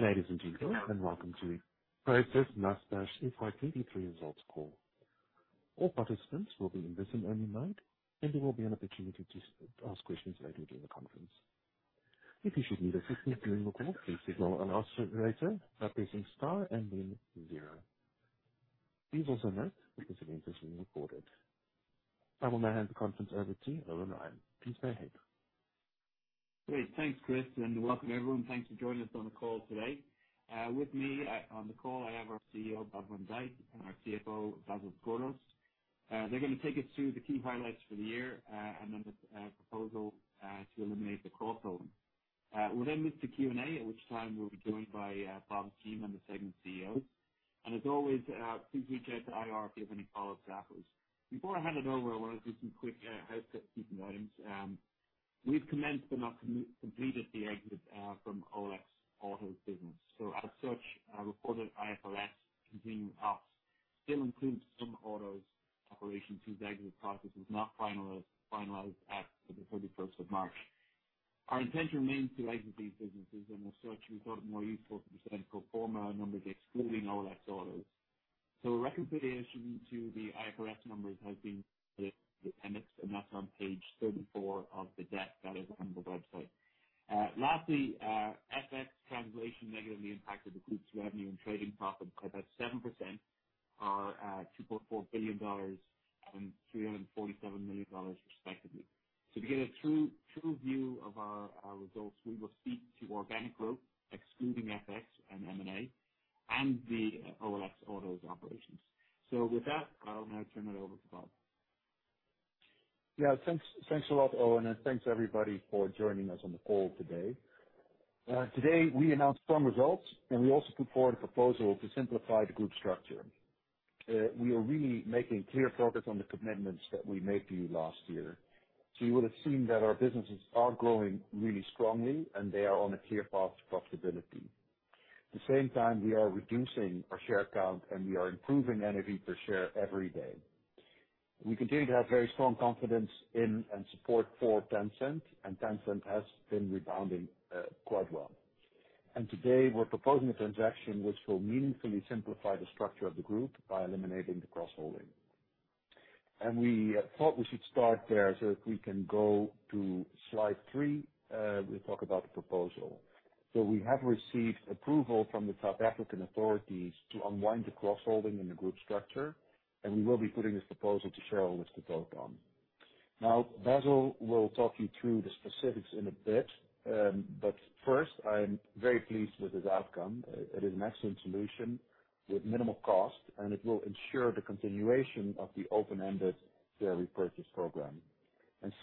Hey, ladies and gentlemen, welcome to Prosus Naspers FY 2023 Results Call. All participants will be in listen-only mode, and there will be an opportunity to ask questions later during the conference. If you should need assistance during the call, please signal an operator by pressing star and then zero. Please also note that this event is being recorded. I will now hand the conference over to Eoin Ryan. Please go ahead. Great. Thanks, Chris, welcome, everyone. Thanks for joining us on the call today. With me on the call, I have our CEO, Bob van Dijk, and our CFO, Basil Sgourdos. They're gonna take us through the key highlights for the year and then the proposal to eliminate the cross-holding. We'll move to Q&A, at which time we'll be joined by Bob's team and the segment CEOs. As always, please reach out to IR if you have any follow-up queries. Before I hand it over, I want to do some quick housekeeping items. We've commenced but not completed the exit from OLX Autos business. As such, our reported IFRS continuing ops still includes some Autos operations whose exit process is not finalized as of the 31st of March. Our intention remains to exit these businesses, and as such, we thought it more useful to present pro forma numbers excluding OLX Autos. A reconciliation to the IFRS numbers has been in the appendix, and that's on page 34 of the deck that is on the website. Lastly, FX translation negatively impacted the group's revenue and trading profit by about 7%, or $2.4 billion and $347 million respectively. To get a true view of our results, we will speak to organic growth, excluding FX and M&A, and the OLX Autos operations. With that, I'll now turn it over to Bob. Yeah, thanks. Thanks a lot, Eoin, and thanks, everybody, for joining us on the call today. Today, we announced strong results, and we also put forward a proposal to simplify the group structure. We are really making clear progress on the commitments that we made to you last year. You would have seen that our businesses are growing really strongly, and they are on a clear path to profitability. At the same time, we are reducing our share count, and we are improving NAV per share every day. We continue to have very strong confidence in, and support for Tencent, and Tencent has been rebounding quite well. Today, we're proposing a transaction which will meaningfully simplify the structure of the group by eliminating the cross-holding. We thought we should start there, if we can go to slide 3, we'll talk about the proposal. We have received approval from the South African authorities to unwind the cross-holding in the group structure, we will be putting this proposal to shareholders to vote on. Basil will talk you through the specifics in a bit, first, I'm very pleased with this outcome. It is an excellent solution with minimal cost, it will ensure the continuation of the open-ended share repurchase program.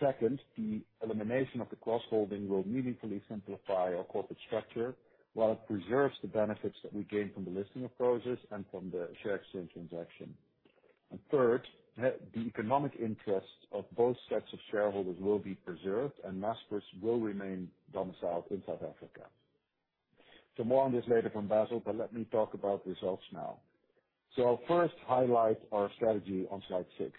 Second, the elimination of the cross-holding will meaningfully simplify our corporate structure while it preserves the benefits that we gained from the listing of Prosus and from the share exchange transaction. Third, the economic interests of both sets of shareholders will be preserved, Naspers will remain domiciled in South Africa. More on this later from Basil, but let me talk about the results now. I'll first highlight our strategy on slide 6,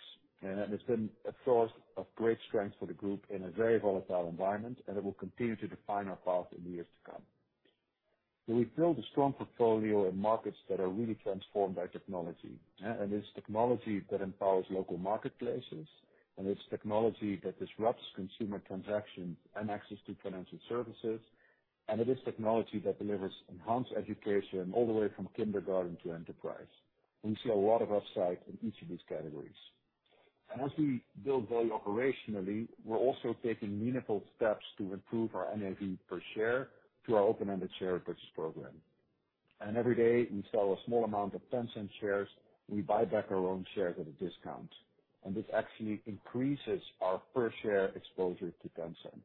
and it's been a source of great strength for the group in a very volatile environment, and it will continue to define our path in the years to come. We've built a strong portfolio in markets that are really transformed by technology, and it's technology that empowers local marketplaces, and it's technology that disrupts consumer transactions and access to financial services, and it is technology that delivers enhanced education all the way from kindergarten to enterprise. We see a lot of upside in each of these categories. As we build value operationally, we're also taking meaningful steps to improve our NAV per share through our open-ended share repurchase program. Every day, we sell a small amount of Tencent shares, we buy back our own shares at a discount, and this actually increases our per-share exposure to Tencent.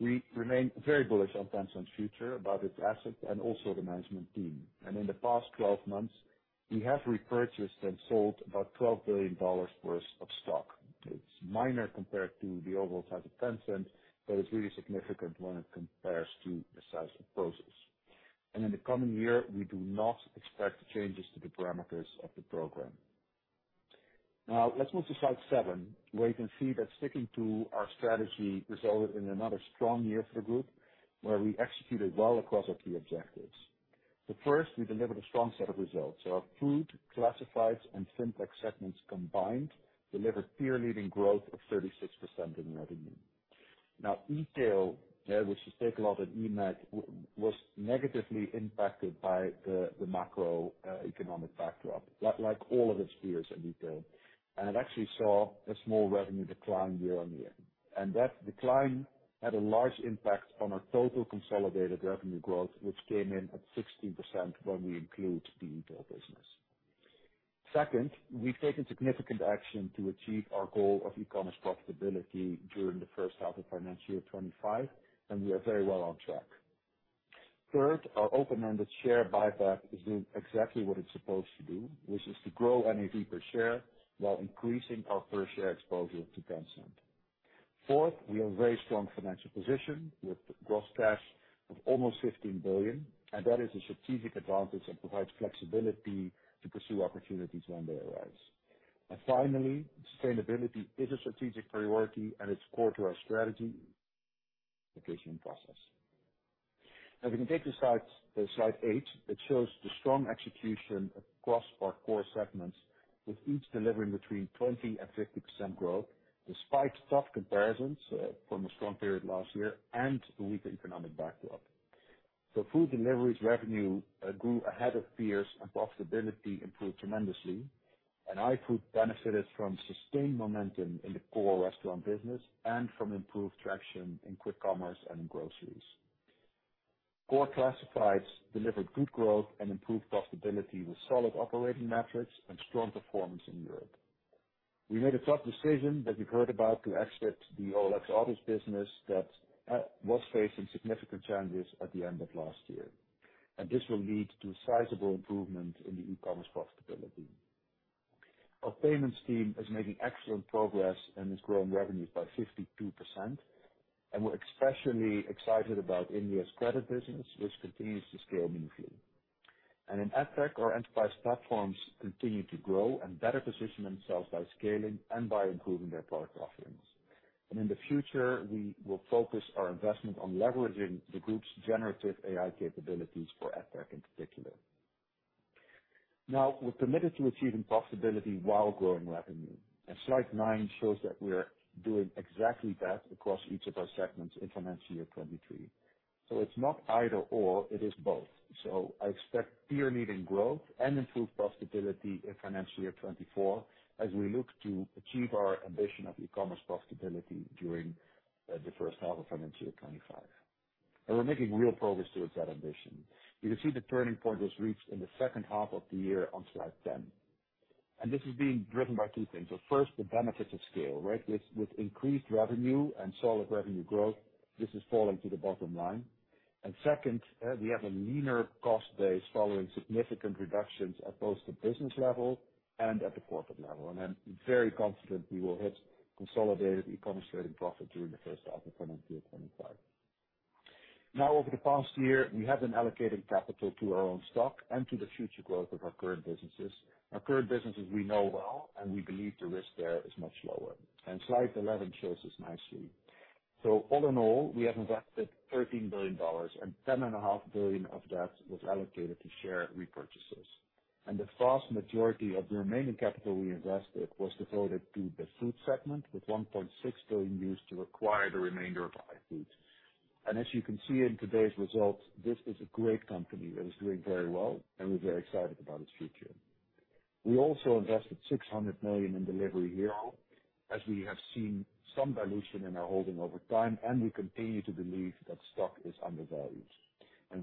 We remain very bullish on Tencent's future, about its assets, and also the management team. In the past 12 months, we have repurchased and sold about $12 billion worth of stock. It's minor compared to the overall size of Tencent, but it's really significant when it compares to the size of Prosus. In the coming year, we do not expect changes to the parameters of the program. Now, let's move to slide 7, where you can see that sticking to our strategy resulted in another strong year for the group, where we executed well across our key objectives. First, we delivered a strong set of results. Our Food, Classifieds, and Fintech segments combined delivered peer-leading growth of 36% in revenue. Now Etail, which is Takealot and eMAG, was negatively impacted by the macro economic backdrop, like all of its peers in Etail. It actually saw a small revenue decline year-on-year, and that decline had a large impact on our total consolidated revenue growth, which came in at 16% when we include the Etail business. Second, we've taken significant action to achieve our goal of e-commerce profitability during the first half of financial year 25, and we are very well on track. Third, our open-ended share buyback is doing exactly what it's supposed to do, which is to grow NAV per share while increasing our per-share exposure to Tencent. Fourth, we have a very strong financial position, with gross cash of almost $15 billion, and that is a strategic advantage and provides flexibility to pursue opportunities when they arise. Finally, sustainability is a strategic priority, and it's core to our strategy, integration process. Now, if you can take to slides, slide eight, it shows the strong execution across our core segments, with each delivering between 20% and 50% growth, despite tough comparisons from a strong period last year and a weak economic backdrop. Food deliveries revenue grew ahead of peers, and profitability improved tremendously. iFood benefited from sustained momentum in the core restaurant business and from improved traction in quick commerce and in groceries. Core classifieds delivered good growth and improved profitability, with solid operating metrics and strong performance in Europe. We made a tough decision that you've heard about to exit the OLX Autos business that was facing significant challenges at the end of last year. This will lead to a sizable improvement in the e-commerce profitability. Our payments team is making excellent progress and is growing revenues by 52%. We're especially excited about India's credit business, which continues to scale meaningfully. In EdTech, our enterprise platforms continue to grow and better position themselves by scaling and by improving their product offerings. In the future, we will focus our investment on leveraging the group's generative AI capabilities for EdTech in particular. We're committed to achieving profitability while growing revenue. Slide 9 shows that we are doing exactly that across each of our segments in financial year 2023. It's not either/or, it is both. I expect peer-leading growth and improved profitability in financial year 2024, as we look to achieve our ambition of e-commerce profitability during the first half of financial year 2025. We're making real progress towards that ambition. You can see the turning point was reached in the second half of the year on slide 10. This is being driven by two things. First, the benefits of scale, right? With increased revenue and solid revenue growth, this is falling to the bottom line. Second, we have a leaner cost base following significant reductions at both the business level and at the corporate level. I'm very confident we will hit consolidated e-commerce trading profit during the first half of financial year 2025. Over the past year, we have been allocating capital to our own stock and to the future growth of our current businesses. Our current businesses we know well, and we believe the risk there is much lower, and slide 11 shows this nicely. All in all, we have invested $13 billion, and $10.5 billion of that was allocated to share repurchases. The vast majority of the remaining capital we invested was devoted to the food segment, with $1.6 billion used to acquire the remainder of iFood. As you can see in today's results, this is a great company that is doing very well, and we're very excited about its future. We also invested $600 million in Delivery Hero, as we have seen some dilution in our holding over time, and we continue to believe that stock is undervalued.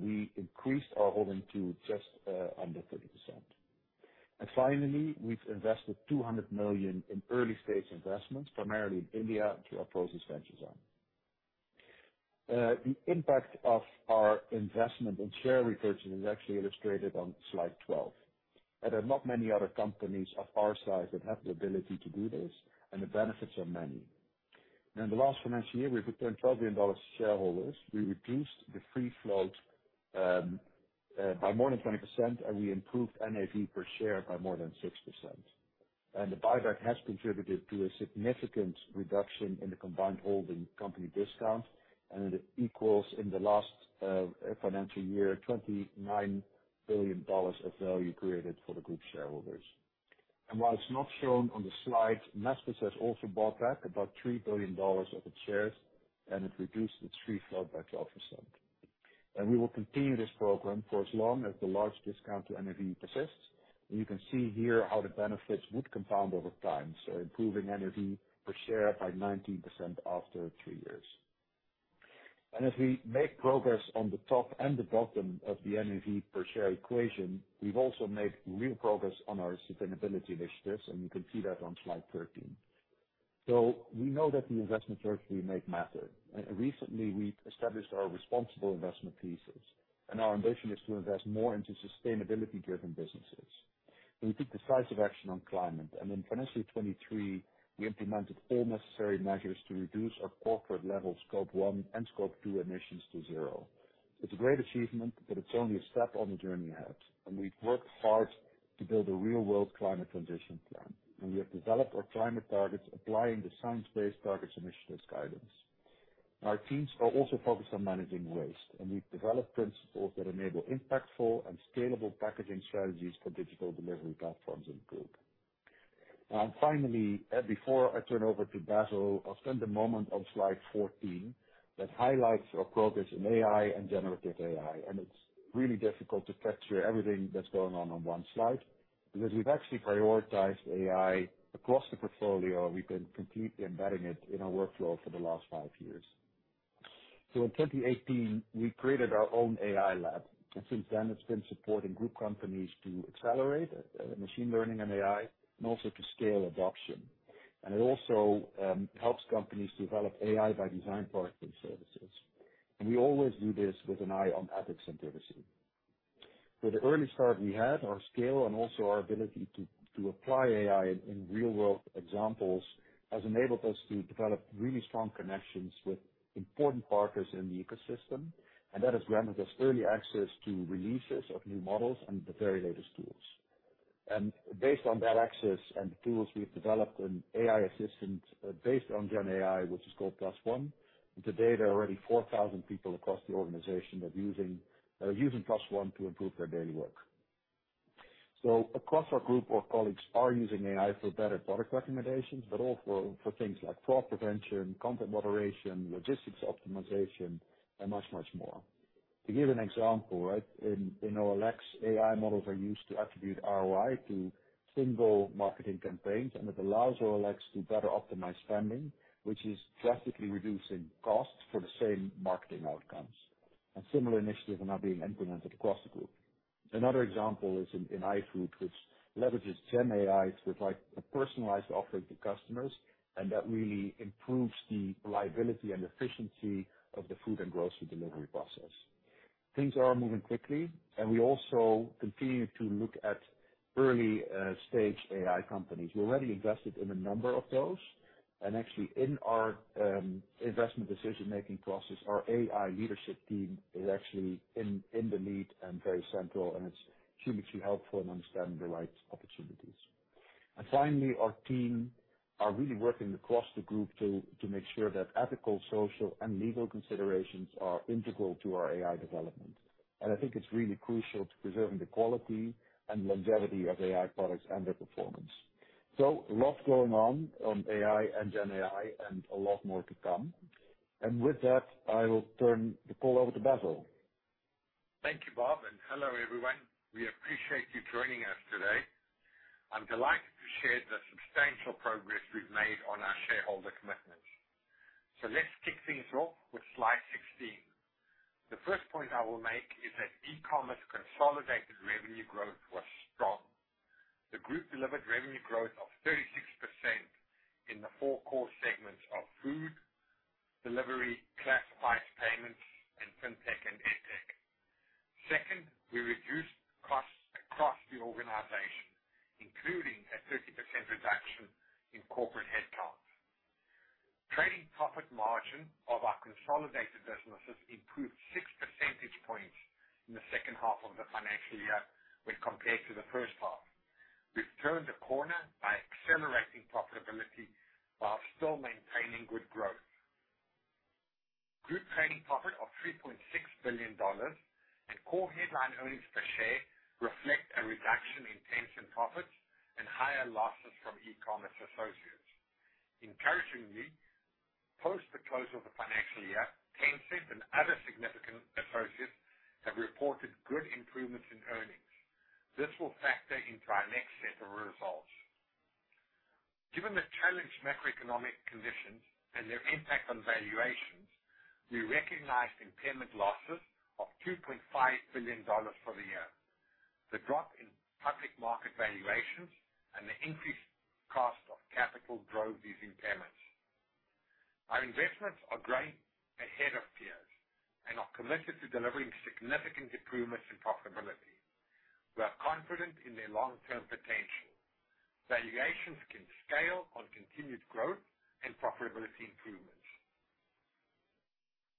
We increased our holding to just under 30%. Finally, we've invested $200 million in early-stage investments, primarily in India, through our Prosus Ventures arm. The impact of our investment in share repurchase is actually illustrated on slide 12. There are not many other companies of our size that have the ability to do this, and the benefits are many. In the last financial year, we returned $12 billion to shareholders. We reduced the free float by more than 20%, and we improved NAV per share by more than 6%. The buyback has contributed to a significant reduction in the combined holding company discount, and it equals, in the last financial year, $29 billion of value created for the group shareholders. While it's not shown on the slide, Naspers has also bought back about $3 billion of its shares, and it reduced its free float by 12%. We will continue this program for as long as the large discount to NAV persists. You can see here how the benefits would compound over time, so improving NAV per share by 19% after three years. As we make progress on the top and the bottom of the NAV per share equation, we've also made real progress on our sustainability initiatives, and you can see that on slide 13. We know that the investment choices we make matter, and recently, we've established our responsible investment thesis, and our ambition is to invest more into sustainability-driven businesses. We took decisive action on climate, and in financial year 2023, we implemented all necessary measures to reduce our corporate level Scope 1 and Scope 2 emissions to zero. It's a great achievement, but it's only a step on the journey ahead, and we've worked hard to build a real-world climate transition plan. We have developed our climate targets, applying the science-based targets initiative guidance. Our teams are also focused on managing waste, and we've developed principles that enable impactful and scalable packaging strategies for digital delivery platforms in the group. Finally, before I turn over to Basil, I'll spend a moment on slide 14, that highlights our progress in AI and generative AI. It's really difficult to capture everything that's going on in one slide, because we've actually prioritized AI across the portfolio, we've been completely embedding it in our workflow for the last five years. In 2018, we created our own AI lab, and since then, it's been supporting group companies to accelerate machine learning and AI, and also to scale adoption. It also helps companies develop AI-by-design products and services, and we always do this with an eye on ethics and privacy. With the early start we had, our scale and also our ability to apply AI in real-world examples, has enabled us to develop really strong connections with important partners in the ecosystem, and that has granted us early access to releases of new models and the very latest tools. Based on that access and the tools, we've developed an AI assistant, based on GenAI, which is called Plus One. To date, there are already 4,000 people across the organization that are using Plus One to improve their daily work. Across our group, our colleagues are using AI for better product recommendations, but also for things like fraud prevention, content moderation, logistics optimization, and much, much more. To give an example, right, in OLX, AI models are used to attribute ROI to single marketing campaigns, and it allows OLX to better optimize spending, which is drastically reducing costs for the same marketing outcomes. Similar initiatives are now being implemented across the group. Another example is in iFood, which leverages GenAI to provide a personalized offering to customers. That really improves the reliability and efficiency of the food and grocery delivery process. Things are moving quickly. We also continue to look at early stage AI companies. We already invested in a number of those. Actually, in our investment decision-making process, our AI leadership team is actually in the lead and very central. It's hugely helpful in understanding the right opportunities. Finally, our team are really working across the group to make sure that ethical, social, and legal considerations are integral to our AI development. I think it's really crucial to preserving the quality and longevity of AI products and their performance. A lot going on on AI and GenAI and a lot more to come. With that, I will turn the call over to Basil. Thank you, Bob, and hello, everyone. We appreciate you joining us today. I'm delighted to share the substantial progress we've made on our shareholder commitments. Let's kick things off with slide 16. The first point I will make is that e-commerce consolidated revenue growth was strong. The group delivered revenue growth of 36% in the four core segments of food, delivery, classified payments, and Fintech and InsurTech. Second, we reduced costs across the organization, including a 30% reduction in corporate headcount. Trading profit margin of our consolidated businesses improved 6 percentage points in the second half of the financial year when compared to the first half. We've turned the corner by accelerating profitability while still maintaining good growth. Group trading profit of $3.6 billion and core headline earnings per share reflect a reduction in Tencent profits and higher losses from e-commerce associates. Encouragingly, post the close of the financial year, Tencent and other significant associates have reported good improvements in earnings. This will factor into our next set of results. Given the challenged macroeconomic conditions and their impact on valuations, we recognized impairment losses of $2.5 billion for the year. The drop in public market valuations and the increased cost of capital drove these impairments. Our investments are growing ahead of peers and are committed to delivering significant improvements in profitability. We are confident in their long-term potential. Valuations can scale on continued growth and profitability improvements.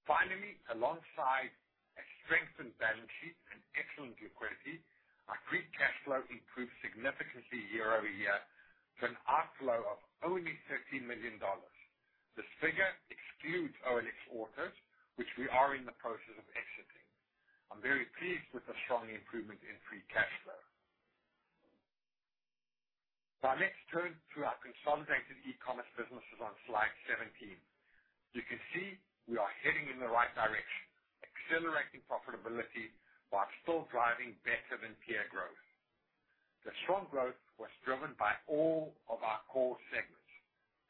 Finally, alongside a strengthened balance sheet and excellent liquidity, our free cash flow improved significantly year-over-year to an outflow of only $30 million. This figure excludes OLX Autos, which we are in the process of exiting. I'm very pleased with the strong improvement in free cash flow. Let's turn to our consolidated e-commerce businesses on slide 17. You can see we are heading in the right direction, accelerating profitability while still driving better-than-peer growth. The strong growth was driven by all of our core segments.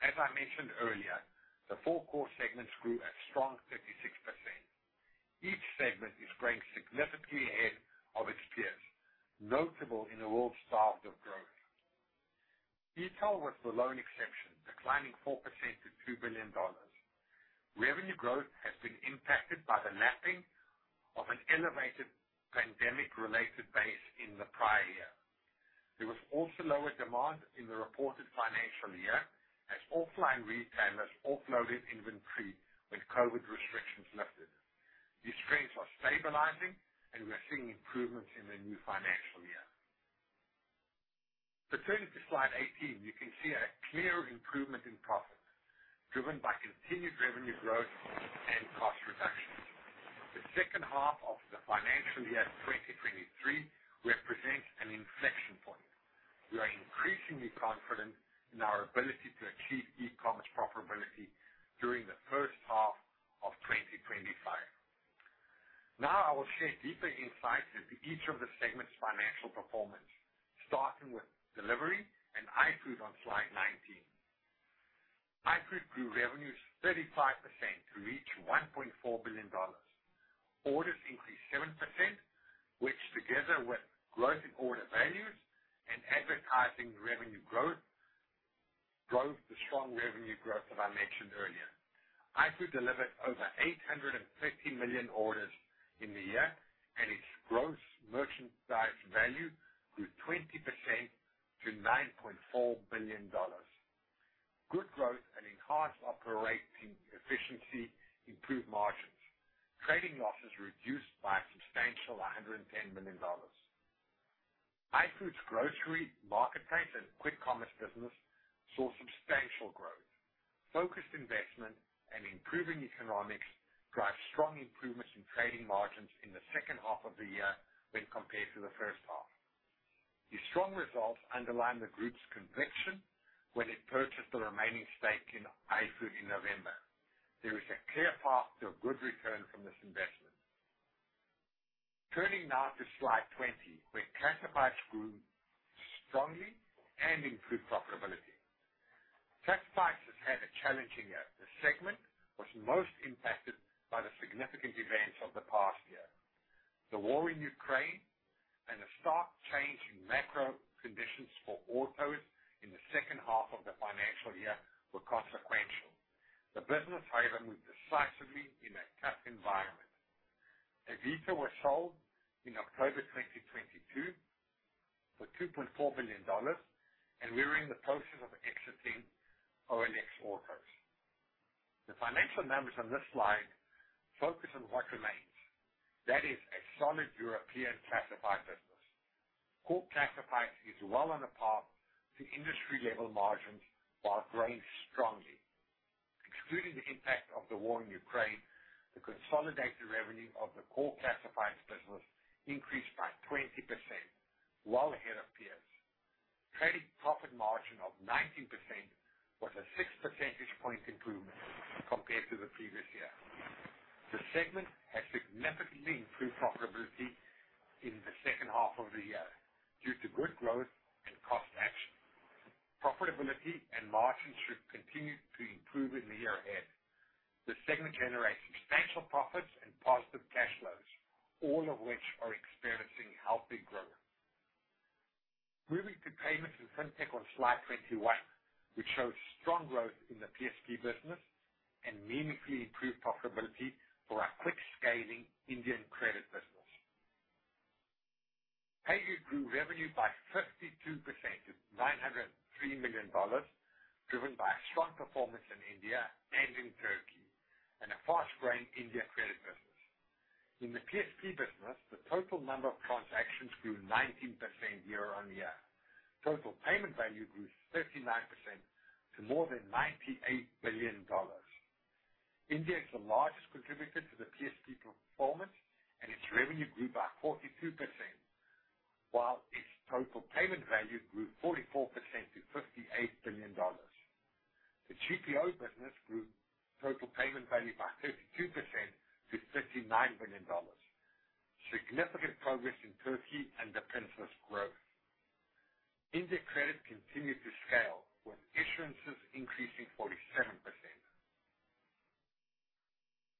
As I mentioned earlier, the four core segments grew a strong 36%. Each segment is growing significantly ahead of its peers, notable in a world starved of growth. eTail was the lone exception, declining 4% to $2 billion. Revenue growth has been impacted by the lapping of an elevated pandemic-related base in the prior year. There was also lower demand in the reported financial year as offline retailers offloaded inventory when COVID restrictions lifted. These trends are stabilizing, and we are seeing improvements in the new financial year. Turning to slide 18, you can see a clear improvement in profit, driven by continued revenue growth and cost reductions. The second half of the financial year 2023 represents an inflection point. We are increasingly confident in our ability to achieve e-commerce profitability during the first half of 2025. Now I will share deeper insights into each of the segments' financial performance, starting with delivery and iFood on slide 19. iFood grew revenues 35% to reach $1.4 billion. Orders increased 7%, which, together with growth in order values and advertising revenue growth, drove the strong revenue growth that I mentioned earlier. iFood delivered over 850 million orders in the year, and its gross merchandise value grew 20% to $9.4 billion. Good growth and enhanced operating efficiency improved margins. Trading losses reduced by a substantial $110 million. iFood's grocery marketplace and quick commerce business saw substantial growth. Focused investment and improving economics drive strong improvements in trading margins in the second half of the year when compared to the first half. These strong results underline the group's conviction when it purchased the remaining stake in iFood in November. There is a clear path to a good return from this investment. Turning now to slide 20, where Classifieds grew strongly and improved profitability. Classifieds has had a challenging year. The segment was most impacted by the significant events of the past year. The war in Ukraine and a sharp change in macro conditions for autos in the second half of the financial year were consequential. The business, however, moved decisively in a tough environment. Avito was sold in October 2022 for $2.4 billion, we are in the process of exiting OLX Autos. The financial numbers on this slide focus on what remains. That is a solid European Classifieds business. Core Classifieds is well on the path to industry-level margins while growing strongly. Excluding the impact of the war in Ukraine, the consolidated revenue of the core Classifieds business increased by 20%, well ahead of peers. Trading profit margin of 19% was a six percentage point improvement compared to the previous year. The segment has significantly improved profitability in the second half of the year due to good growth and cost action. Profitability and margins should continue to improve in the year ahead. The segment generates substantial profits and positive cash flows, all of which are experiencing healthy growth. Moving to Payments and Fintech on slide 21, which shows strong growth in the PSP business and meaningfully improved profitability for our quick-scaling Indian credit business. PayU grew revenue by 52% to $903 million, driven by a strong performance in India and in Turkey, and a fast-growing India credit business. In the PSP business, the total number of transactions grew 19% year-on-year. Total payment value grew 39% to more than $98 billion. India is the largest contributor to the PSP performance, and its revenue grew by 42%, while its total payment value grew 44% to $58 billion. The GPO business grew total payment value by 32% to $39 billion. Significant progress in Turkey underpins this growth. India credit continued to scale, with insurances increasing 47%.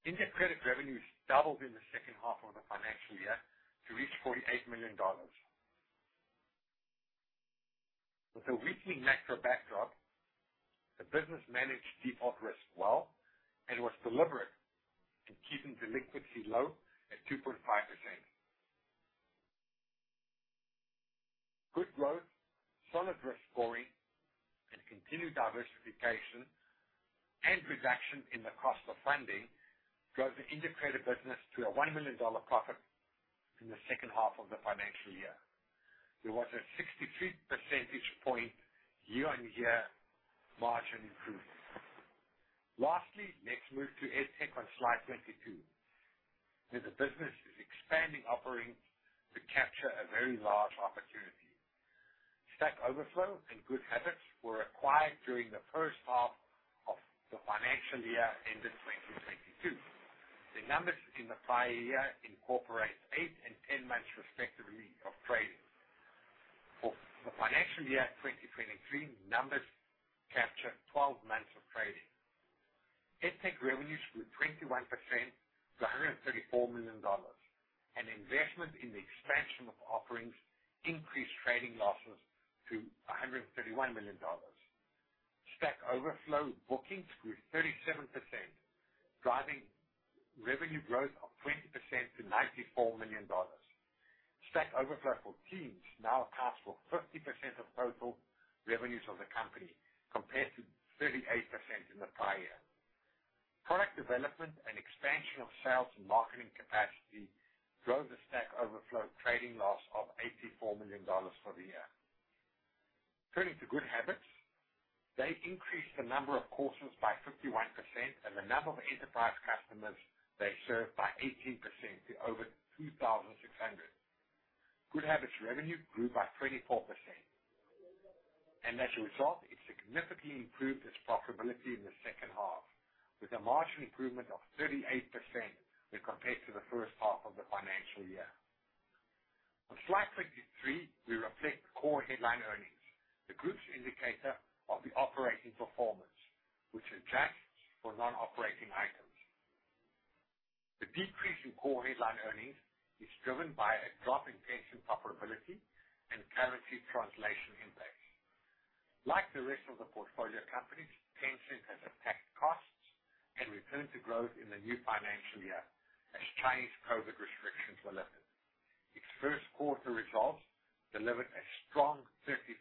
India credit revenues doubled in the second half of the financial year to reach $48 million. With a weakening macro backdrop, the business managed default risk well and was deliberate in keeping delinquency low at 2.5%. Good growth, solid risk scoring, and continued diversification and reduction in the cost of funding drove the integrated business to a $1 million profit in the second half of the financial year. There was a 63 percentage point year-on-year margin improvement. Lastly, let's move to Edtech on slide 22, where the business is expanding offerings to capture a very large opportunity. Stack Overflow and GoodHabitz were acquired during the first half of the financial year, ended 2022. The numbers in the prior year incorporate 8 and 10 months, respectively, of trading. For the financial year 2023, numbers capture 12 months of trading. Edtech revenues grew 21% to $134 million. Investment in the expansion of offerings increased trading losses to $131 million. Stack Overflow bookings grew 37%, driving revenue growth of 20% to $94 million. Stack Overflow for Teams now accounts for 50% of total revenues of the company, compared to 38% in the prior year. Product development and expansion of sales and marketing capacity drove the Stack Overflow trading loss of $84 million for the year. Turning to GoodHabitz, they increased the number of courses by 51% and the number of enterprise customers they served by 18% to over 2,600. GoodHabitz revenue grew by 24%. As a result, it significantly improved its profitability in the second half, with a margin improvement of 38% when compared to the first half of the financial year. On slide 23, we reflect core headline earnings, the group's indicator of the operating performance, which adjusts for non-operating items. The decrease in core headline earnings is driven by a drop in Tencent profitability and currency translation impacts. Like the rest of the portfolio companies, Tencent has attacked costs and returned to growth in the new financial year as Chinese COVID restrictions were lifted. Its first quarter results delivered a strong 34%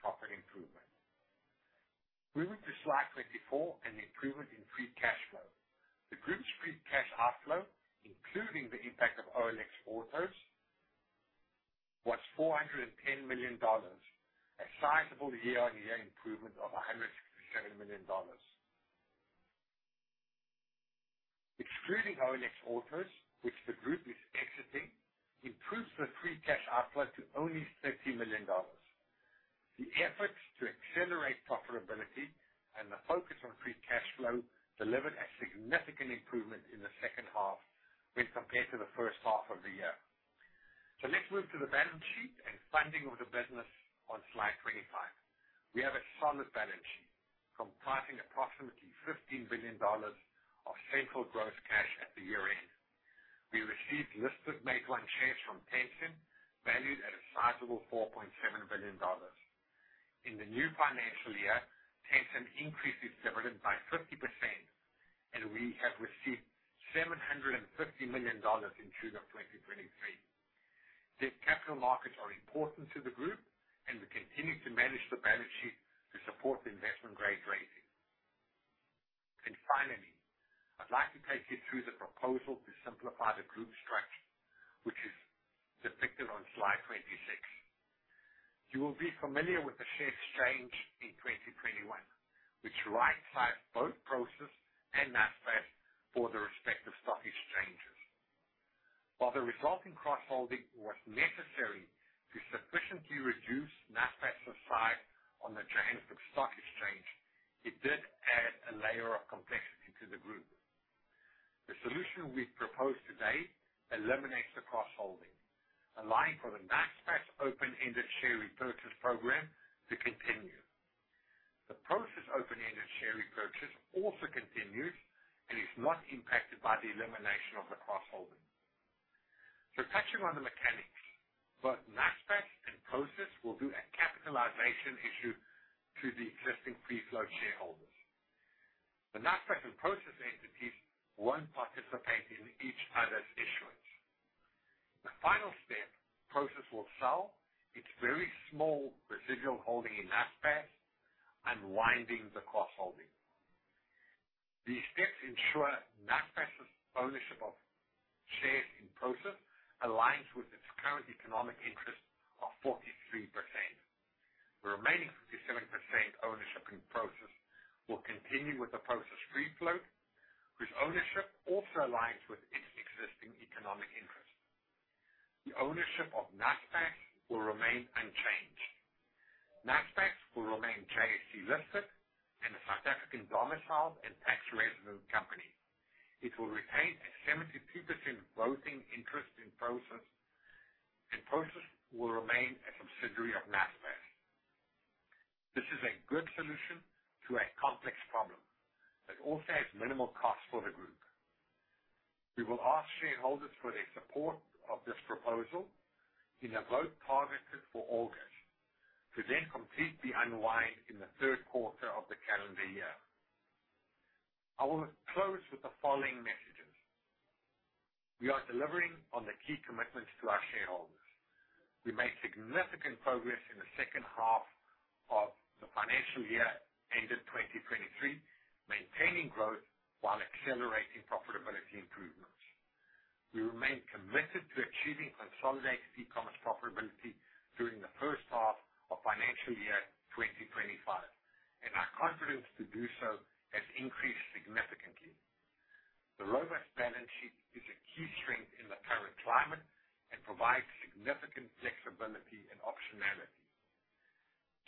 profit improvement. Moving to Slide 24, an improvement in free cash flow. The group's free cash outflow, including the impact of OLX Autos, was $410 million, a sizable year-on-year improvement of $167 million. Excluding OLX Autos, which the group is exiting, improves the free cash outflow to only $30 million. The efforts to accelerate profitability and the focus on free cash flow delivered a significant improvement in the second half when compared to the first half of the year. Let's move to the balance sheet and funding of the business on Slide 25. We have a solid balance sheet, comprising approximately $15 billion of central gross cash at the year-end. We received listed Meituan shares from Tencent, valued at a sizable $4.7 billion. In the new financial year, Tencent increased its dividend by 50%, we have received $750 million in June 2023. The capital markets are important to the group, we continue to manage the balance sheet to support the investment grade rating. Finally, I'd like to take you through the proposal to simplify the group structure, which is depicted on Slide 26. You will be familiar with the share change in 2021, which rightsized both Prosus and Naspers for the respective stock exchanges. While the resulting cross-holding was necessary to sufficiently reduce Naspers' size on the transfer stock exchange, it did add a layer of complexity to the group. The solution we've proposed today eliminates the cross-holding, allowing for the Naspers open-ended share repurchase program to continue. The Prosus open-ended share repurchase also continues and is not impacted by the elimination of the cross-holding. Touching on the mechanics, both Naspers and Prosus will do a capitalization issue to the existing free-float shareholders. The Naspers and Prosus entities won't participate in each other's issuance. The final step, Prosus will sell its very small residual holding in Naspers, unwinding the cross-holding. These steps ensure Naspers' ownership of shares in Prosus aligns with its current economic interest of 43%. The remaining 57% ownership in Prosus will continue with the Prosus free-float, whose ownership also aligns with its existing economic interest. The ownership of Naspers will remain unchanged. Naspers will remain JSE-listed and a South African domiciled and tax resident company. It will retain a 72% voting interest in Prosus, and Prosus will remain a subsidiary of Naspers. This is a good solution to a complex problem that also has minimal cost for the group. We will ask shareholders for their support of this proposal in a vote targeted for August, to complete the unwind in the third quarter of the calendar year. I want to close with the following messages: We are delivering on the key commitments to our shareholders. We made significant progress in the second half of the financial year, ended 2023, maintaining growth while accelerating profitability improvements. We remain committed to achieving consolidated e-commerce profitability during the first half of financial year 2025, our confidence to do so has increased significantly. The robust balance sheet is a key strength in the current climate and provides significant flexibility and optionality.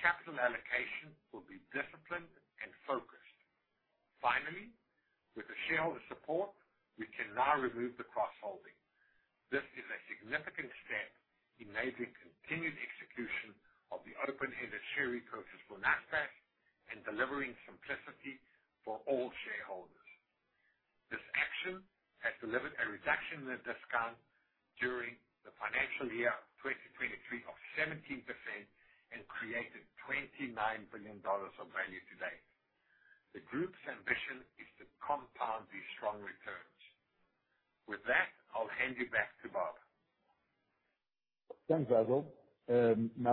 Capital allocation will be disciplined and focused. With the shareholder support, we can now remove the cross-holding. This is a significant step enabling continued execution of the open-ended share repurchase for Naspers and delivering simplicity for all shareholders. This action has delivered a reduction in the discount during the financial year of 2023 of 17% and created $29 billion of value today. The group's ambition is to compound these strong returns. With that, I'll hand you back to Bob. Thanks, Basil.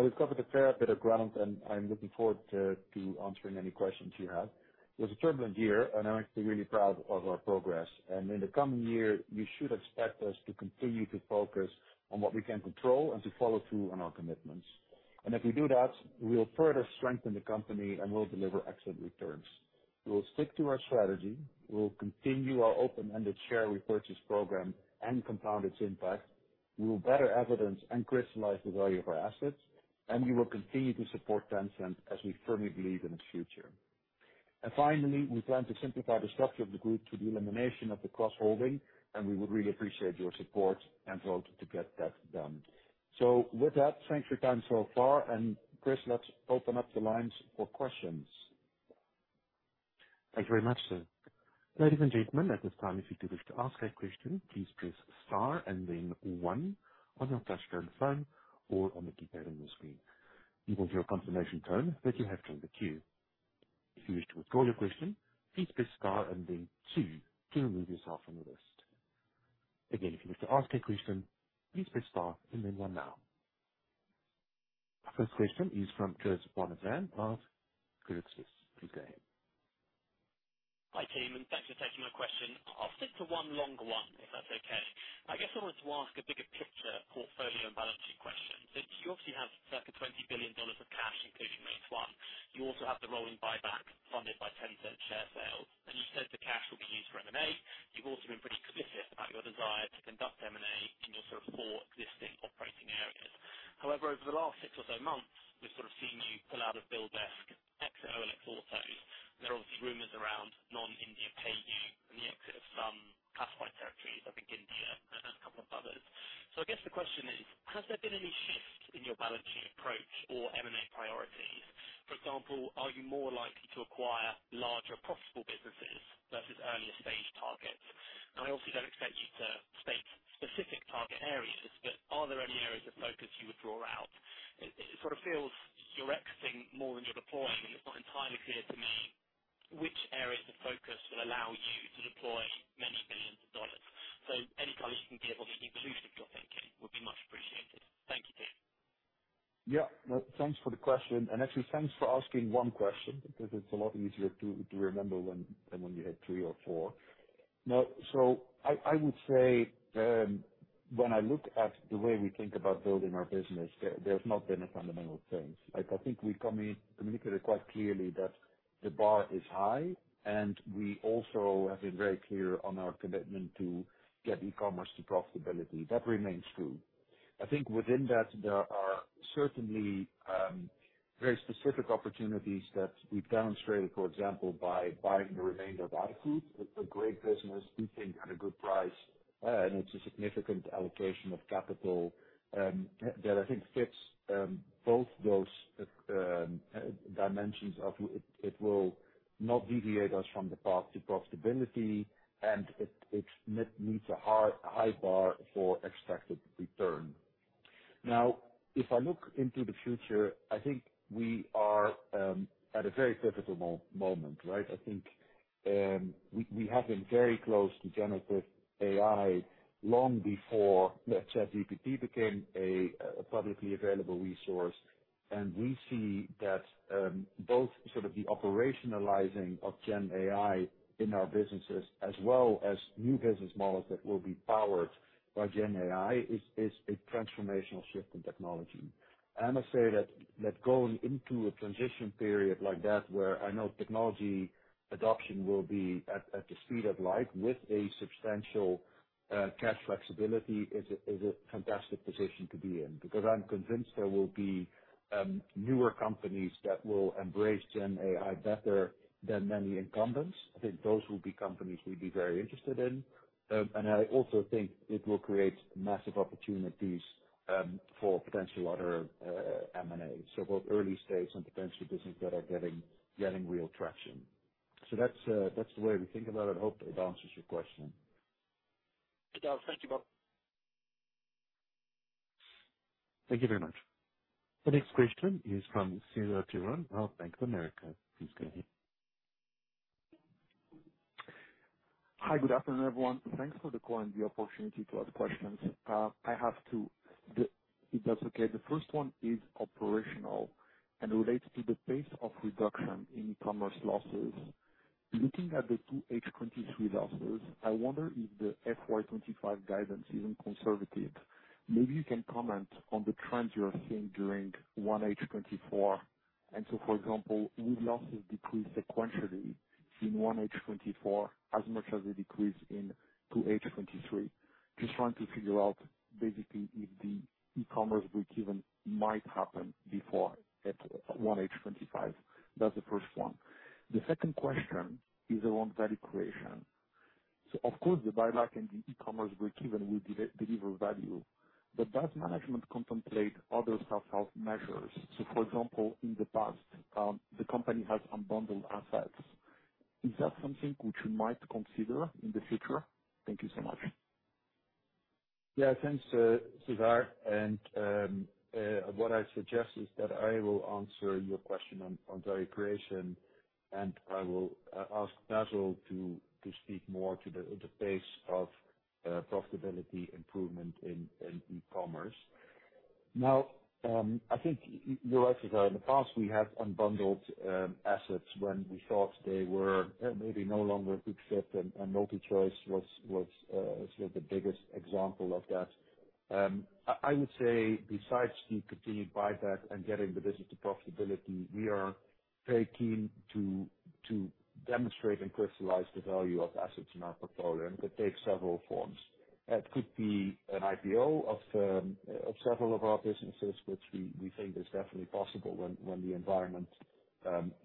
We've covered a fair bit of ground, and I'm looking forward to answering any questions you have. It was a turbulent year, I'm actually really proud of our progress. In the coming year, you should expect us to continue to focus on what we can control and to follow through on our commitments. If we do that, we'll further strengthen the company, and we'll deliver excellent returns. We will stick to our strategy. We will continue our open-ended share repurchase program and compound its impact. We will better evidence and crystallize the value of our assets, and we will continue to support Tencent as we firmly believe in its future. Finally, we plan to simplify the structure of the group through the elimination of the cross-holding, and we would really appreciate your support and vote to get that done. With that, thanks for your time so far. Chris, let's open up the lines for questions. Thank you very much, sir. Ladies and gentlemen, at this time, if you'd wish to ask a question, please press star and then one on your touchtone phone or on the keypad on your screen. You will hear a confirmation tone that you have joined the queue. If you wish to withdraw your question, please press star and then two to remove yourself from the list. Again, if you wish to ask a question, please press star and then one now. First question is from Joseph Barnet-Lamb of Credit Suisse. Please go ahead. Hi, team. Thanks for taking my question. I'll stick to one long one, if that's okay. I guess I wanted to ask a bigger picture portfolio and balancing question. You obviously have circa $20 billion of cash, including Meituan. You also have the rolling buyback funded by 10% share sales, and you said the cash will be used for M&A. You've also been pretty committed about your desire to conduct M&A in your sort of 4 existing operating areas. However, over the last 6 or so months, we've sort of seen you pull out of BillDesk, exit OLX Autos, there are obviously rumors around non-India PayU and the exit of some classified territories, I think India and a couple of others. I guess the question is: Has there been any shift in your balance sheet approach or M&A priorities? For example, are you more likely to acquire larger, profitable businesses versus early-stage targets? I obviously don't expect you to state specific target areas, but are there any areas of focus you would draw out? It sort of feels you're exiting more than you're deploying, and it's not entirely clear to me which areas of focus will allow you to deploy many billions of dollars. Any color you can give, obviously exclusive to your thinking, would be much appreciated. Thank you, team. Yeah. No, thanks for the question, and actually, thanks for asking one question, because it's a lot easier to remember when, than when you had three or four. Now, I would say, when I look at the way we think about building our business, there's not been a fundamental change. Like, I think we communicated quite clearly that the bar is high. We also have been very clear on our commitment to get e-commerce to profitability. That remains true. I think within that, there are certainly very specific opportunities that we've demonstrated, for example, by buying the remainder of iFood. It's a great business, we think, at a good price, and it's a significant allocation of capital that I think fits both those dimensions of it. It will not deviate us from the path to profitability, and it meets a high bar for expected return. Now, if I look into the future, I think we are at a very critical moment, right? I think we have been very close to generative AI long before ChatGPT became a publicly available resource, and we see that both sort of the operationalizing of GenAI in our businesses, as well as new business models that will be powered by GenAI, is a transformational shift in technology. I must say that going into a transition period like that, where I know technology adoption will be at the speed of light with a substantial cash flexibility, is a fantastic position to be in, because I'm convinced there will be newer companies that will embrace GenAI better than many incumbents. I think those will be companies we'd be very interested in. I also think it will create massive opportunities for potential other M&A, so both early stage and potentially businesses that are getting real traction. That's the way we think about it. I hope it answers your question. It does. Thank you, Bob. Thank you very much. The next question is from Cesar Tiron of Bank of America. Please go ahead. Hi, good afternoon, everyone. Thanks for the call and the opportunity to ask questions. I have 2, if that's okay. The first one is operational and relates to the pace of reduction in e-commerce losses. Looking at the 2H 2023 losses, I wonder if the FY 2025 guidance isn't conservative. Maybe you can comment on the trends you are seeing during 1H 2024. For example, will losses decrease sequentially in 1H 2024 as much as they decrease in 2H 2023? Just trying to figure out, basically, if the e-commerce breakeven might happen before at 1H 2025. That's the first one. The second question is around value creation. Of course, the buyback and the e-commerce breakeven will deliver value, but does management contemplate other self-help measures? For example, in the past, the company has unbundled assets. Is that something which you might consider in the future? Thank you so much. Yeah. Thanks, Cesar, and what I suggest is that I will answer your question on value creation, and I will ask Basil to speak more to the pace of profitability improvement in e-commerce. Now, I think you're right, Cesar. In the past we had unbundled assets when we thought they were maybe no longer a good fit, and MultiChoice was sort of the biggest example of that. I would say besides the continued buyback and getting the business to profitability, we are very keen to demonstrate and crystallize the value of assets in our portfolio, and that takes several forms. It could be an IPO of several of our businesses, which we think is definitely possible when the environment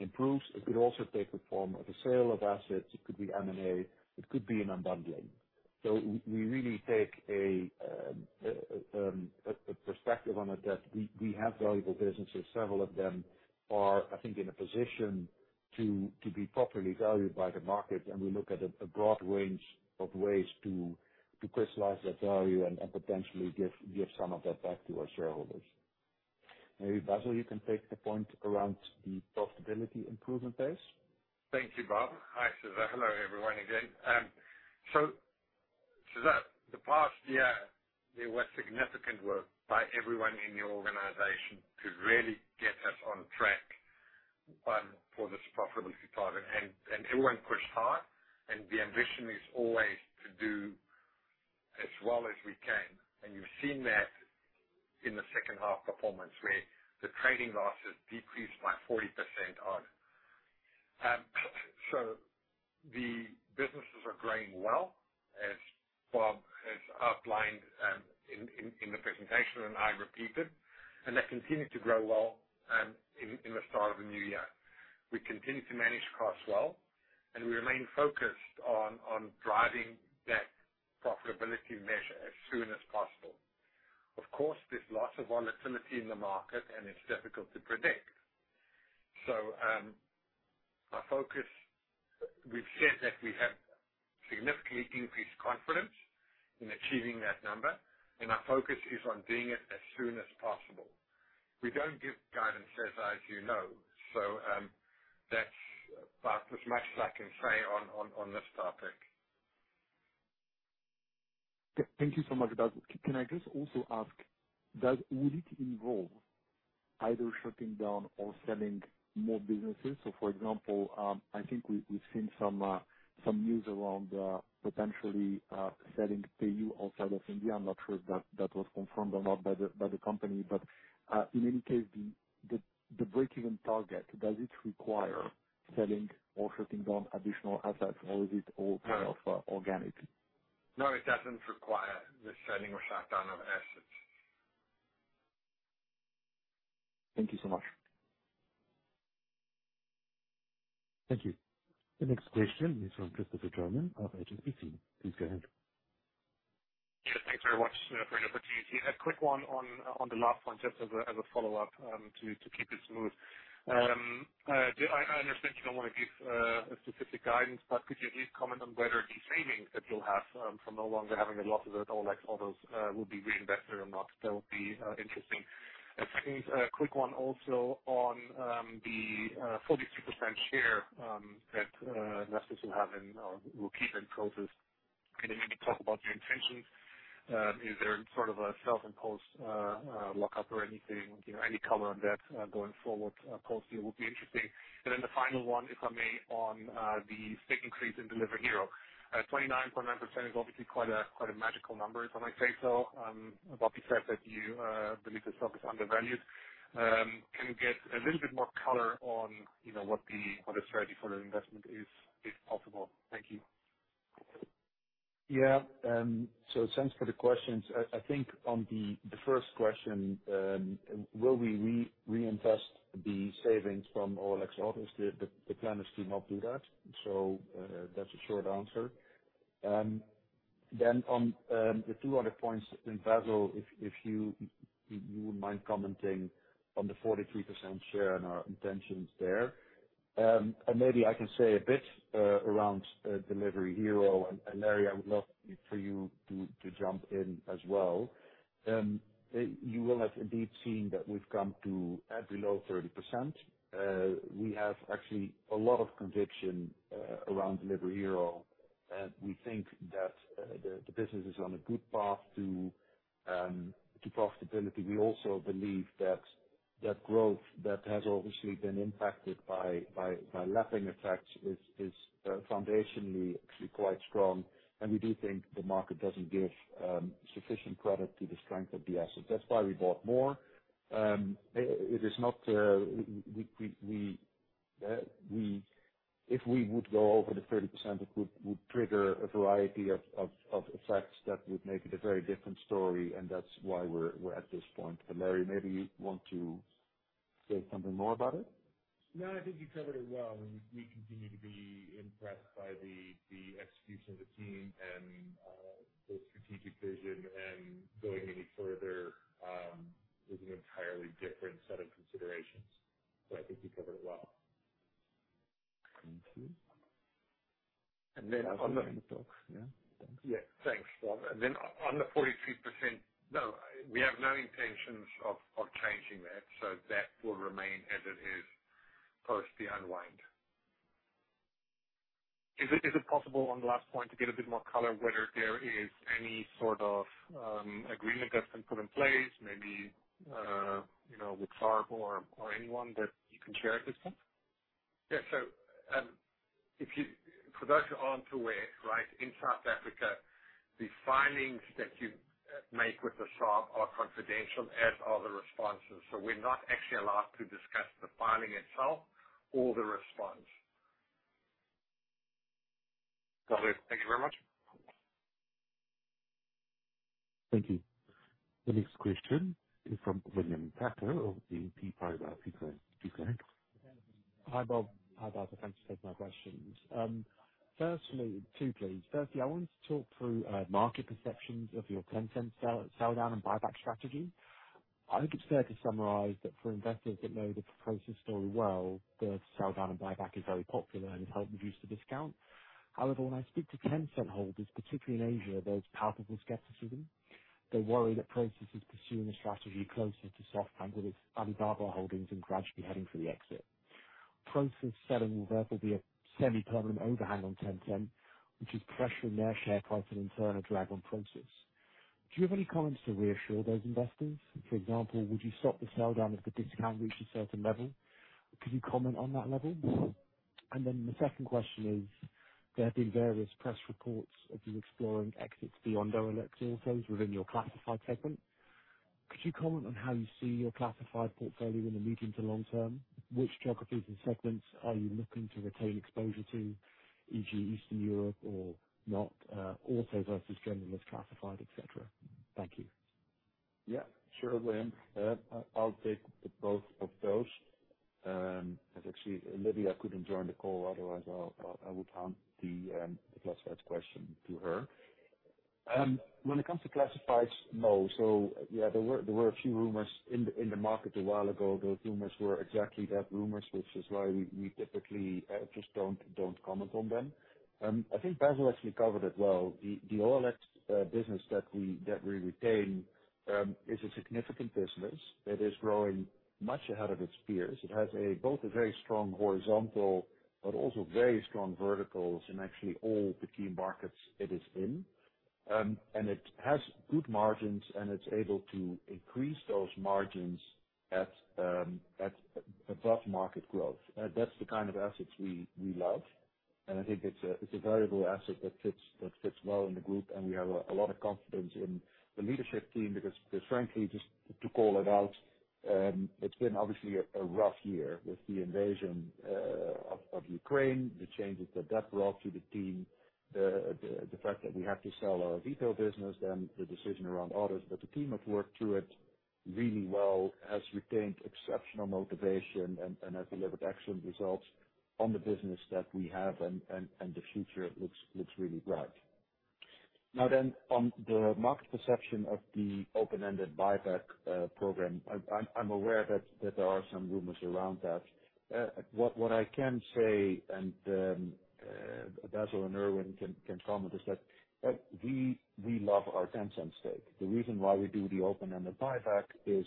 improves. It could also take the form of a sale of assets, it could be M&A, it could be an unbundling. We really take a perspective on it that we have valuable businesses. Several of them are, I think, in a position to be properly valued by the market, and we look at a broad range of ways to crystallize that value and potentially give some of that back to our shareholders. Maybe, Basil, you can take the point around the profitability improvement pace. Thank you, Bob. Hi, Cesar. Hello, everyone again. So, Cesar, the past year, there was significant work by everyone in the organization to really get us on track, for this profitability target. Everyone pushed hard, and the ambition is always to do as well as we can. You've seen that in the second half performance, where the trading losses decreased by 40% odd. The businesses are growing well, as Bob has outlined, in the presentation. I repeat it, and they continue to grow well, in the start of the new year. We continue to manage costs well, and we remain focused on driving that profitability measure as soon as possible. Of course, there's lots of volatility in the market, and it's difficult to predict. Our focus. We've said that we have significantly increased confidence in achieving that number, and our focus is on doing it as soon as possible. We don't give guidance, Cesar, as you know, so that's about as much as I can say on this topic. Thank you so much, Basil. Can I just also ask, Would it involve either shutting down or selling more businesses? For example, I think we've seen some news around potentially selling PayU outside of India. I'm not sure if that was confirmed or not by the company, In any case, the breakeven target, does it require selling or shutting down additional assets, or is it all kind of organic? No, it doesn't require the selling or shutdown of assets. Thank you so much. Thank you. The next question is from Christopher Johnen of HSBC. Please go ahead. Yes, thanks very much for the opportunity. A quick one on the last point, just as a follow-up to keep it smooth. I understand you don't want to give a specific guidance, but could you at least comment on whether the savings that you'll have from no longer having a lot of the OLX Autos will be reinvested or not? That would be interesting. Second, a quick one also on the 43% share that investors will have in, or will keep in Prosus. Can you maybe talk about your intentions? Is there sort of a self-imposed lockup or anything, you know, any color on that going forward closely would be interesting. The final one, if I may, on the stake increase in Delivery Hero. 29.9% is obviously quite a magical number, if I may say so. Bob said that you believe the stock is undervalued. Can we get a little bit more color on, you know, what the, what the strategy for the investment is, if possible? Thank you. Yeah. Thanks for the questions. I think on the first question, will we reinvest the savings from OLX Autos? The plan is to not do that. That's a short answer. On the two other points, then, Basil, if you wouldn't mind commenting on the 43% share and our intentions there. Maybe I can say a bit around Delivery Hero, and Larry, I would love for you to jump in as well. You will have indeed seen that we've come to at below 30%. We have actually a lot of conviction around Delivery Hero, and we think that the business is on a good path to profitability. We also believe that growth that has obviously been impacted by lapping effects is foundationally actually quite strong. We do think the market doesn't give sufficient credit to the strength of the asset. That's why we bought more. It is not. If we would go over the 30%, it would trigger a variety of effects that would make it a very different story, and that's why we're at this point. Larry, maybe you want to say something more about it? No, I think you covered it well. We continue to be impressed by the execution of the team and the strategic vision. Going any further is an entirely different set of considerations, so I think you covered it well. Thank you. Basil, any thoughts? Yeah. Thanks. Yeah. Thanks, Bob. On the 43%, no, we have no intentions of changing that, so that will remain as it is post the unwind. Is it possible, on the last point, to get a bit more color on whether there is any sort of agreement that's been put in place, maybe, you know, with SARB or anyone that you can share at this point? Yeah. So, for those who aren't aware, right, in South Africa, the filings that you make with the SARB are confidential, as are the responses, so we're not actually allowed to discuss the filing itself or the response. Got it. Thank you very much. Thank you. The next question is from William Packer of Exane BNP Paribas. Please go ahead. Hi, Bob. Hi, Basil. Thanks for taking my questions. Firstly, two, please. Firstly, I wanted to talk through market perceptions of your 10% sell down and buyback strategy. I think it's fair to summarize that for investors that know the Prosus story well, the sell down and buyback is very popular and has helped reduce the discount. However, when I speak to Tencent holders, particularly in Asia, there's palpable skepticism. They worry that Prosus is pursuing a strategy closer to SoftBank, with its Alibaba holdings and gradually heading for the exit. Prosus selling will therefore be a semi-permanent overhang on Tencent, which is pressuring their share price and in turn, a drag on Prosus. Do you have any comments to reassure those investors? For example, would you stop the sell down if the discount reached a certain level? Could you comment on that level? The second question is, there have been various press reports of you exploring exits beyond OLX Autos within your Classified segment. Could you comment on how you see your classified portfolio in the medium to long term? Which geographies and segments are you looking to retain exposure to, e.g., Eastern Europe or not, auto versus generalist classified, et cetera? Thank you. Yeah, sure, William. I'll take both of those. actually, Olivia couldn't join the call, otherwise, I would hand the classifieds question to her. When it comes to classifieds, no. yeah, there were a few rumors in the market a while ago. Those rumors were exactly that, rumors, which is why we typically don't comment on them. I think Basil actually covered it well. The OLX business that we retain is a significant business. It is growing much ahead of its peers. It has both a very strong horizontal, but also very strong verticals in actually all the key markets it is in. it has good margins, and it's able to increase those margins at above market growth. That's the kind of assets we love, and I think it's a very good asset that fits well in the group. We have a lot of confidence in the leadership team because frankly, just to call it out, it's been obviously a rough year with the invasion of Ukraine, the changes that that brought to the team, the fact that we have to sell our GPO business, then the decision around others. The team have worked through it really well, has retained exceptional motivation and has delivered excellent results on the business that we have, and the future looks really bright. On the market perception of the open-ended buyback program, I'm aware that there are some rumors around that. What I can say and Basil and Ervin can comment, is that we love our Tencent stake. The reason why we do the open-ended buyback is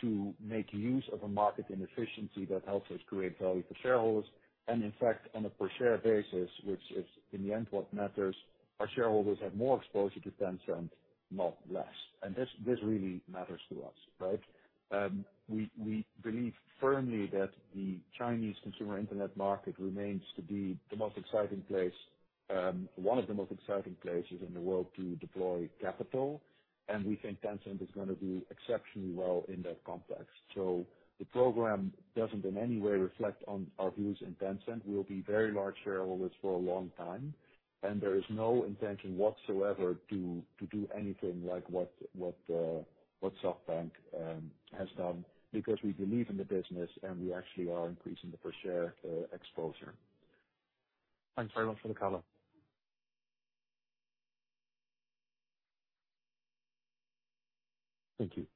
to make use of a market inefficiency that helps us create value for shareholders. In fact, on a per share basis, which is in the end what matters, our shareholders have more exposure to Tencent, not less. This really matters to us, right? We believe firmly that the Chinese consumer internet market remains to be the most exciting place, one of the most exciting places in the world to deploy capital, and we think Tencent is going to do exceptionally well in that context. The program doesn't in any way reflect on our views in Tencent. We'll be very large shareholders for a long time, and there is no intention whatsoever to do anything like what SoftBank has done, because we believe in the business and we actually are increasing the per share exposure. Thanks very much for the color. Thank you.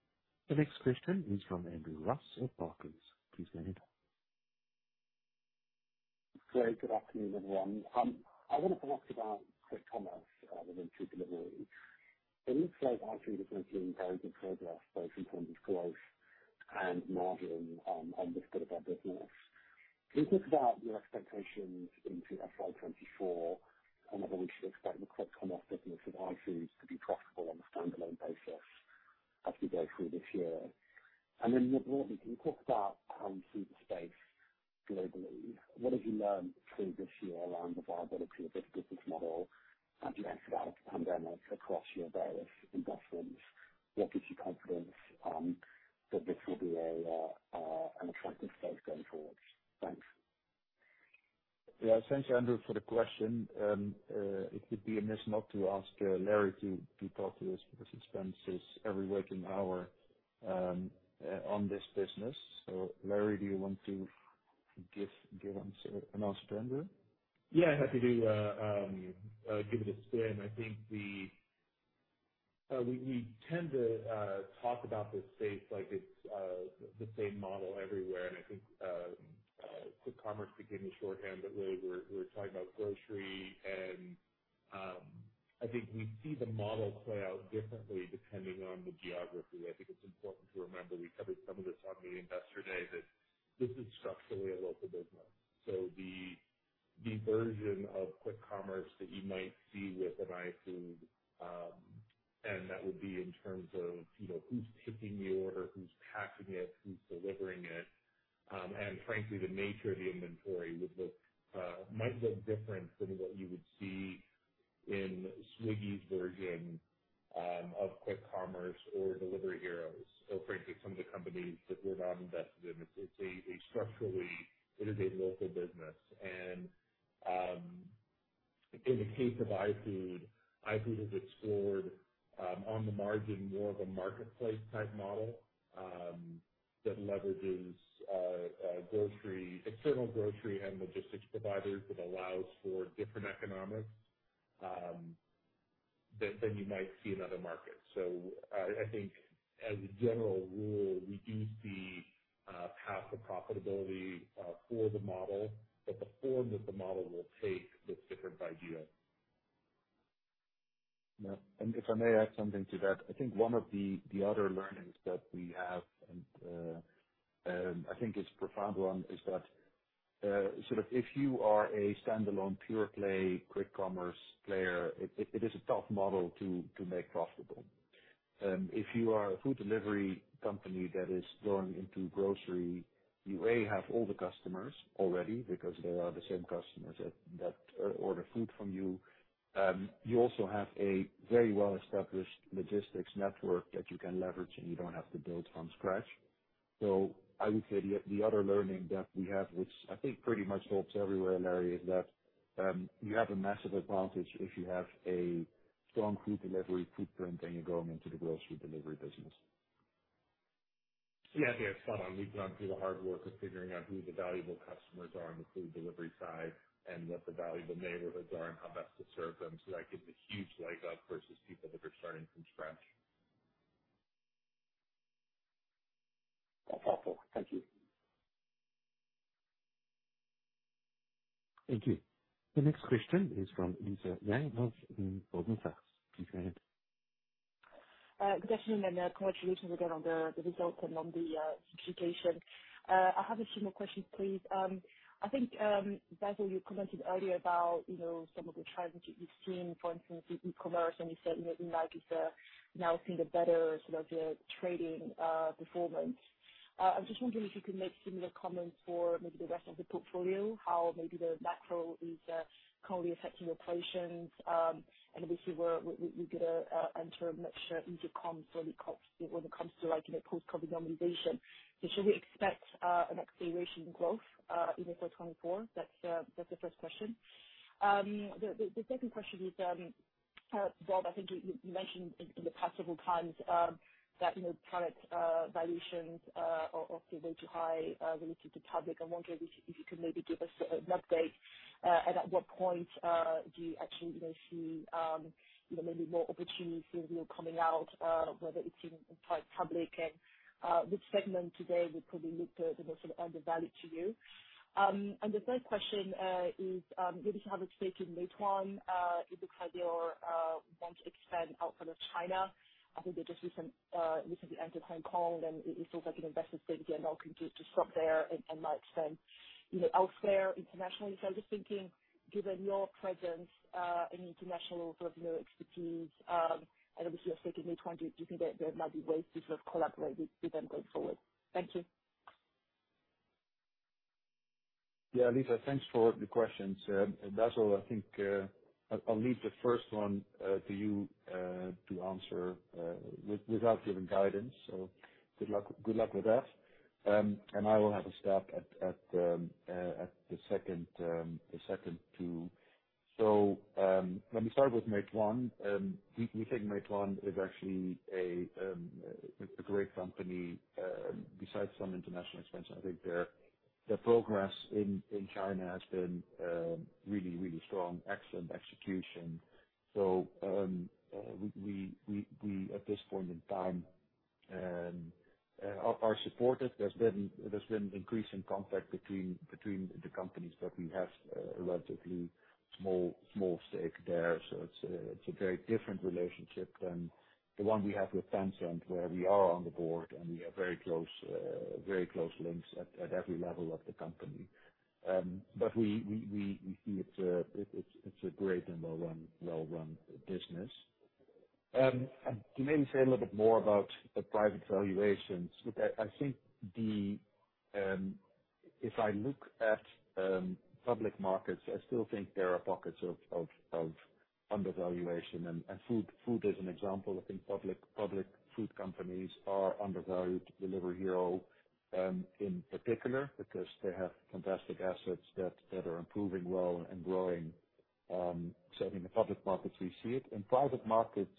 The next question is from Andrew Ross at Barclays. Please go ahead. Great. Good afternoon, everyone. I want to talk about quick commerce, related to delivery. It looks like iFood is making very good progress, both in terms of growth and margin, on this part of our business. Can you talk about your expectations into FY 2024, and whether we should expect the quick commerce business of iFood to be profitable on a standalone basis as we go through this year? Then more broadly, can you talk about how you see the space globally? What have you learned through this year around the viability of this business model as you exit out of the pandemic across your various investments? What gives you confidence that this will be an attractive space going forward? Thanks. Thank you, Andrew, for the question. It would be a miss not to ask Larry to talk to us, because he spends his every waking hour on this business. Larry, do you want to give an answer, Andrew? Yeah, happy to give it a spin. I think we tend to talk about this space like it's the same model everywhere. I think quick commerce became the shorthand, but really we're talking about grocery. I think we see the model play out differently depending on the geography. I think it's important to remember, we covered some of this on the investor day, that this is structurally a local business. The version of quick commerce that you might see with an iFood, and that would be in terms of, you know, who's picking the order, who's packing it, who's delivering it, and frankly, the nature of the inventory would look, might look different than what you would see in Swiggy's version of quick commerce or Delivery Hero's or frankly, some of the companies that we're not invested in. It's a structurally, it is a local business. In the case of iFood has explored, on the margin, more of a marketplace type model that leverages grocery, external grocery and logistics providers, that allows for different economics then you might see another market. I think as a general rule, we do see path to profitability for the model, but the form that the model will take looks different by geo. Yeah, if I may add something to that, I think one of the other learnings that we have, and I think it's a profound one, is that sort of if you are a standalone pure play quick commerce player, it is a tough model to make profitable. If you are a food delivery company that is going into grocery, you, A, have all the customers already because they are the same customers that order food from you. You also have a very well-established logistics network that you can leverage, and you don't have to build from scratch. I would say the other learning that we have, which I think pretty much holds everywhere, Larry, is that you have a massive advantage if you have a strong food delivery footprint, and you're going into the grocery delivery business. Yeah, yeah. Spot on. We've gone through the hard work of figuring out who the valuable customers are on the food delivery side and what the valuable neighborhoods are and how best to serve them. That gives a huge leg up versus people that are starting from scratch. That's helpful. Thank you. Thank you. The next question is from Lisa Yang of Goldman Sachs. Please go ahead. Good afternoon, congratulations again on the results and on the execution. I have a few more questions, please. I think, Basil, you commented earlier about, you know, some of the trends that you've seen, for instance, in e-commerce, and you said, you know, Nike is now seeing a better sort of trading performance. I was just wondering if you could make similar comments for maybe the rest of the portfolio, how maybe the macro is currently affecting your operations. Obviously, where we get to enter much easier comp when it comes to, like, you know, post-COVID normalization. Should we expect an acceleration in growth in the year 2024? That's the first question. The second question is, Bob, I think you mentioned in the past several times, that, you know, private valuations are still way too high relative to public. I wonder if you could maybe give us an update and at what point do you actually, you know, see, you know, maybe more opportunities, you know, coming out, whether it's in private, public, and which segment today would probably look to, you know, sort of add the value to you? The third question is, obviously you have invested in Meituan, because they are want to expand outside of China. I think they just recently entered Hong Kong, and it seems like an investor state again, or can just stop there and might spend, you know, elsewhere internationally. I'm just thinking, given your presence and international sort of, you know, expertise, and obviously you have taken Meituan, do you think there might be ways to sort of collaborate with them going forward? Thank you. Yeah, Lisa, thanks for the questions. Basil, I think, I'll leave the first one to you to answer without giving guidance. Good luck, good luck with that. I will have a stab at the second, the second two. Let me start with Meituan. We think Meituan is actually a great company, besides some international expansion. I think their progress in China has been really, really strong. Excellent execution. We, at this point in time, are supportive. There's been increasing contact between the companies, but we have a relatively small stake there, so it's a very different relationship than the one we have with Tencent, where we are on the board, and we have very close links at every level of the company. We see it's a great and well-run business. To maybe say a little bit more about the private valuations, look, I think the. If I look at public markets, I still think there are pockets of undervaluation, and food is an example. I think public food companies are undervalued. Delivery Hero in particular, because they have fantastic assets that are improving well and growing. I think the public markets, we see it. In private markets,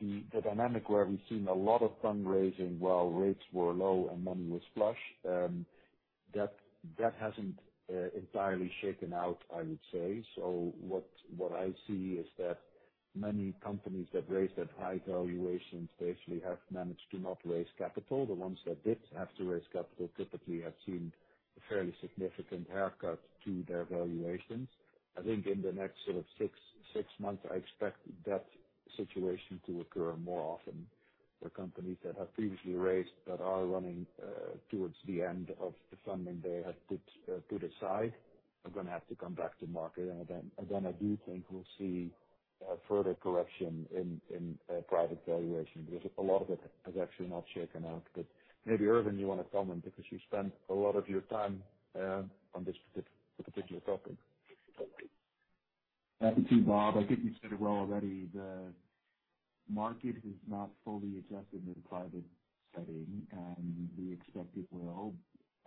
the dynamic where we've seen a lot of fundraising while rates were low and money was flush, that hasn't entirely shaken out, I would say. What I see is that many companies that raised at high valuations, they actually have managed to not raise capital. The ones that did have to raise capital typically have seen a fairly significant haircut to their valuations. I think in the next sort of 6 months, I expect that situation to occur more often for companies that have previously raised, that are running towards the end of the funding they had put aside, are gonna have to come back to market. Again, I do think we'll see, further correction in private valuation because a lot of it has actually not shaken out. Maybe, Ervin, you want to comment because you spent a lot of your time, on this specific, particular topic. Happy to, Bob. I think you said it well already. The market has not fully adjusted in a private setting, and we expect it will.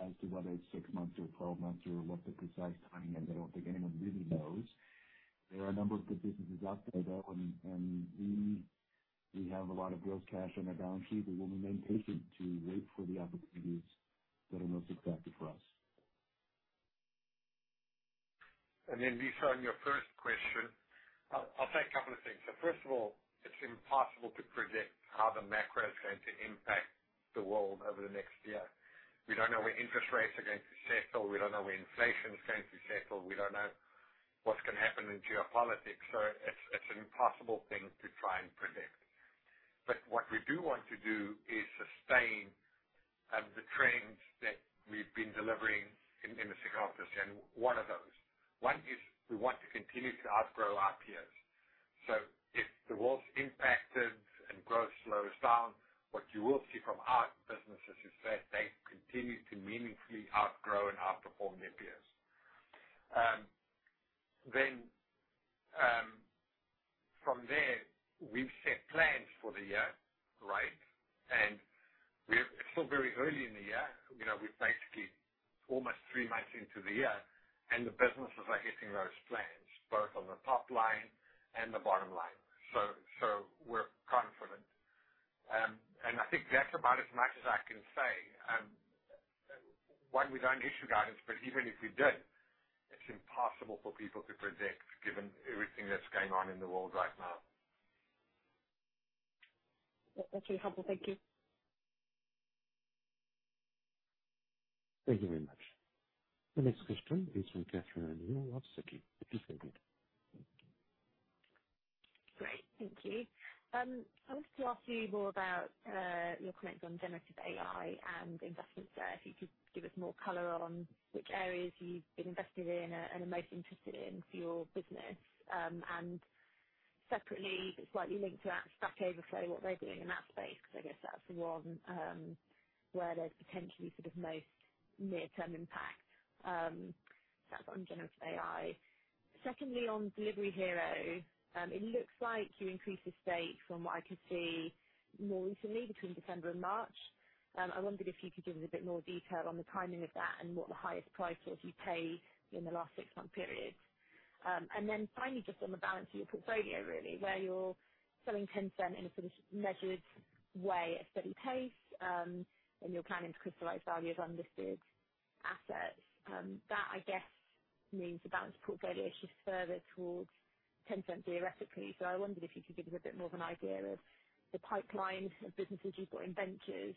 As to whether it's six months or 12 months, or what the precise timing is, I don't think anyone really knows. There are a number of good businesses out there, though, and we have a lot of real cash on our balance sheet, but we'll remain patient to wait for the opportunities that are most attractive for us. Lisa, on your first question, I'll say a couple of things. First of all, it's impossible to predict how the macro is going to impact the world over the next year. We don't know where interest rates are going to settle. We don't know where inflation is going to settle. We don't know what's going to happen in geopolitics. It's an impossible thing to try and predict. What we do want to do is sustain the trends that we've been delivering in the second half this year, and what are those? One is we want to continue to outgrow our peers. If the world's impacted and growth slows down, what you will see from our businesses is that they continue to meaningfully outgrow and outperform their peers. From there, we've set plans for the year, right? We're still very early in the year. You know, we're basically almost three months into the year, and the businesses are hitting those plans, both on the top line and the bottom line. We're confident. I think that's about as much as I can say. One, we don't issue guidance, but even if we did, it's impossible for people to predict, given everything that's going on in the world right now. That's really helpful. Thank you. Thank you very much. The next question is from Catherine at Citi. Please go ahead. Great, thank you. I wanted to ask you more about your comments on generative AI and investment there. If you could give us more color on which areas you've been invested in and are most interested in for your business. Separately, but slightly linked to that, Stack Overflow, what they're doing in that space, because I guess that's the one where there's potentially sort of most near-term impact. That's on generative AI. Secondly, on Delivery Hero, it looks like you increased the stake from what I could see more recently between December and March. I wondered if you could give us a bit more detail on the timing of that and what the highest price was you paid in the last 6-month period. Finally, just on the balance of your portfolio, really, where you're selling 10% in a sort of measured way, a steady pace, and you're planning to crystallize value of unlisted assets. That, I guess, means the balance portfolio shifts further towards 10% theoretically. I wondered if you could give us a bit more of an idea of the pipeline of businesses you've got in ventures.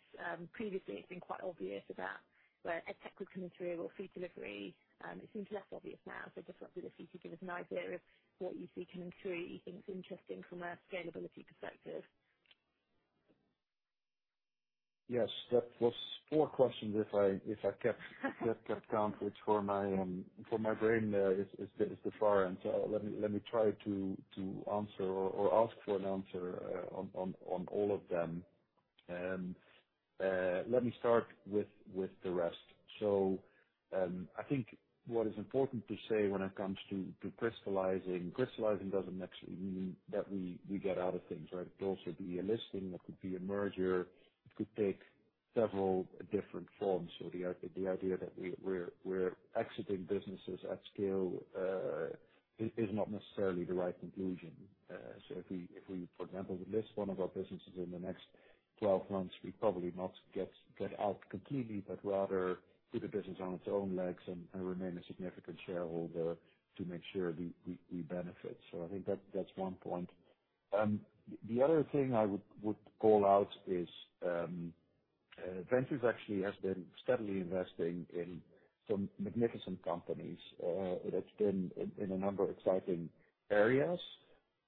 Previously, it's been quite obvious that where Edtech would come through or food delivery, it seems less obvious now. Just wondered if you could give us an idea of what you see coming through you think is interesting from a scalability perspective. Yes, that was four questions, if I kept count, which for my brain is the far end. Let me try to answer or ask for an answer on all of them. Let me start with the rest. I think what is important to say when it comes to crystallizing doesn't actually mean that we get out of things, right? It could also be a listing, it could be a merger, it could take several different forms. The idea that we're exiting businesses at scale is not necessarily the right conclusion. If we, for example, would list one of our businesses in the next 12 months, we'd probably not get out completely, but rather put the business on its own legs and remain a significant shareholder to make sure we benefit. I think that's one point. The other thing I would call out is Ventures actually has been steadily investing in some magnificent companies that's been in a number of exciting areas,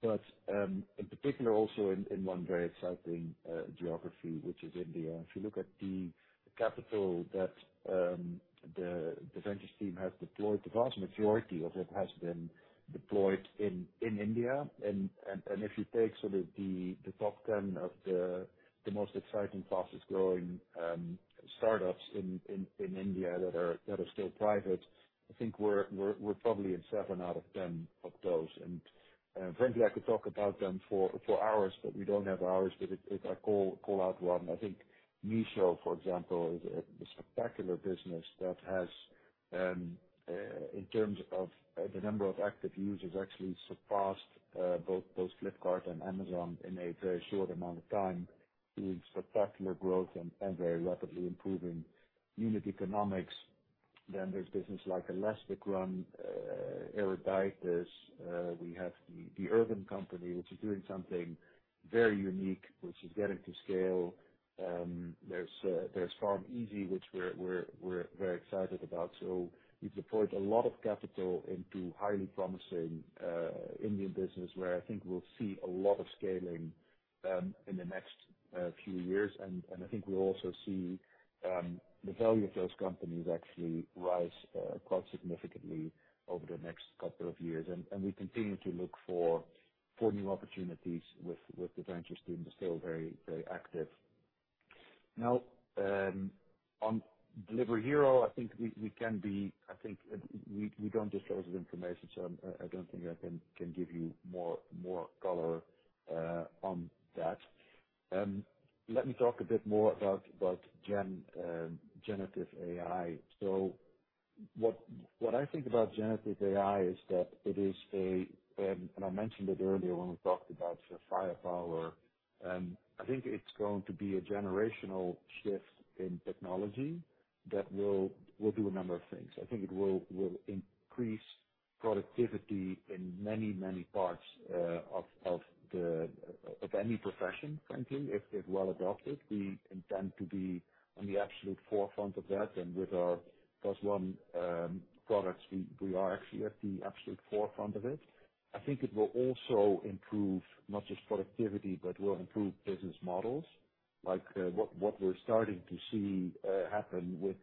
but in particular, also in one very exciting geography, which is India. If you look at the capital that the Ventures team has deployed, the vast majority of it has been deployed in India. If you take sort of the top 10 of the most exciting, fastest-growing startups in India that are still private, I think we're probably in 7 out of 10 of those. Frankly, I could talk about them for hours, but we don't have hours. If I call out 1, I think Meesho, for example, is a spectacular business that has in terms of the number of active users, actually surpassed both Flipkart and Amazon in a very short amount of time, with spectacular growth and very rapidly improving unit economics. There's business like ElasticRun, Eruditus, we have the Urban Company, which is doing something very unique, which is getting to scale. There's PharmEasy, which we're very excited about. We've deployed a lot of capital into highly promising Indian business, where I think we'll see a lot of scaling in the next few years. I think we'll also see the value of those companies actually rise quite significantly over the next couple of years. We continue to look for new opportunities with the ventures team, they're still very active. Now, on Delivery Hero, I think we don't disclose this information, so I don't think I can give you more color on that. Let me talk a bit more about gen Generative AI. What I think about Generative AI is that it is a. I mentioned it earlier when we talked about the firepower. I think it will increase productivity in many parts of the, of any profession, frankly, if well adopted. We intend to be on the absolute forefront of that, with our PlusOne products, we are actually at the absolute forefront of it. I think it will also improve not just productivity, but will improve business models, like what we're starting to see happen with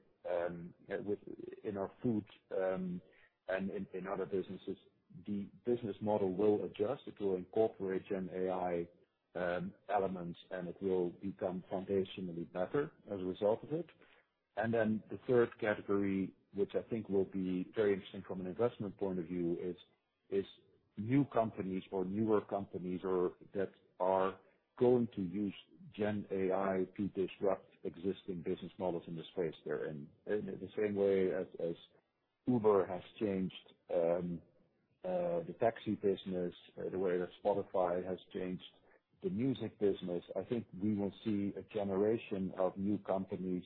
in our food and in other businesses. The business model will adjust. It will incorporate GenAI elements, and it will become foundationally better as a result of it. The third category, which I think will be very interesting from an investment point of view, is new companies or newer companies or that are going to use GenAI to disrupt existing business models in the space they're in. In the same way as Uber has changed the taxi business, the way that Spotify has changed the music business, I think we will see a generation of new companies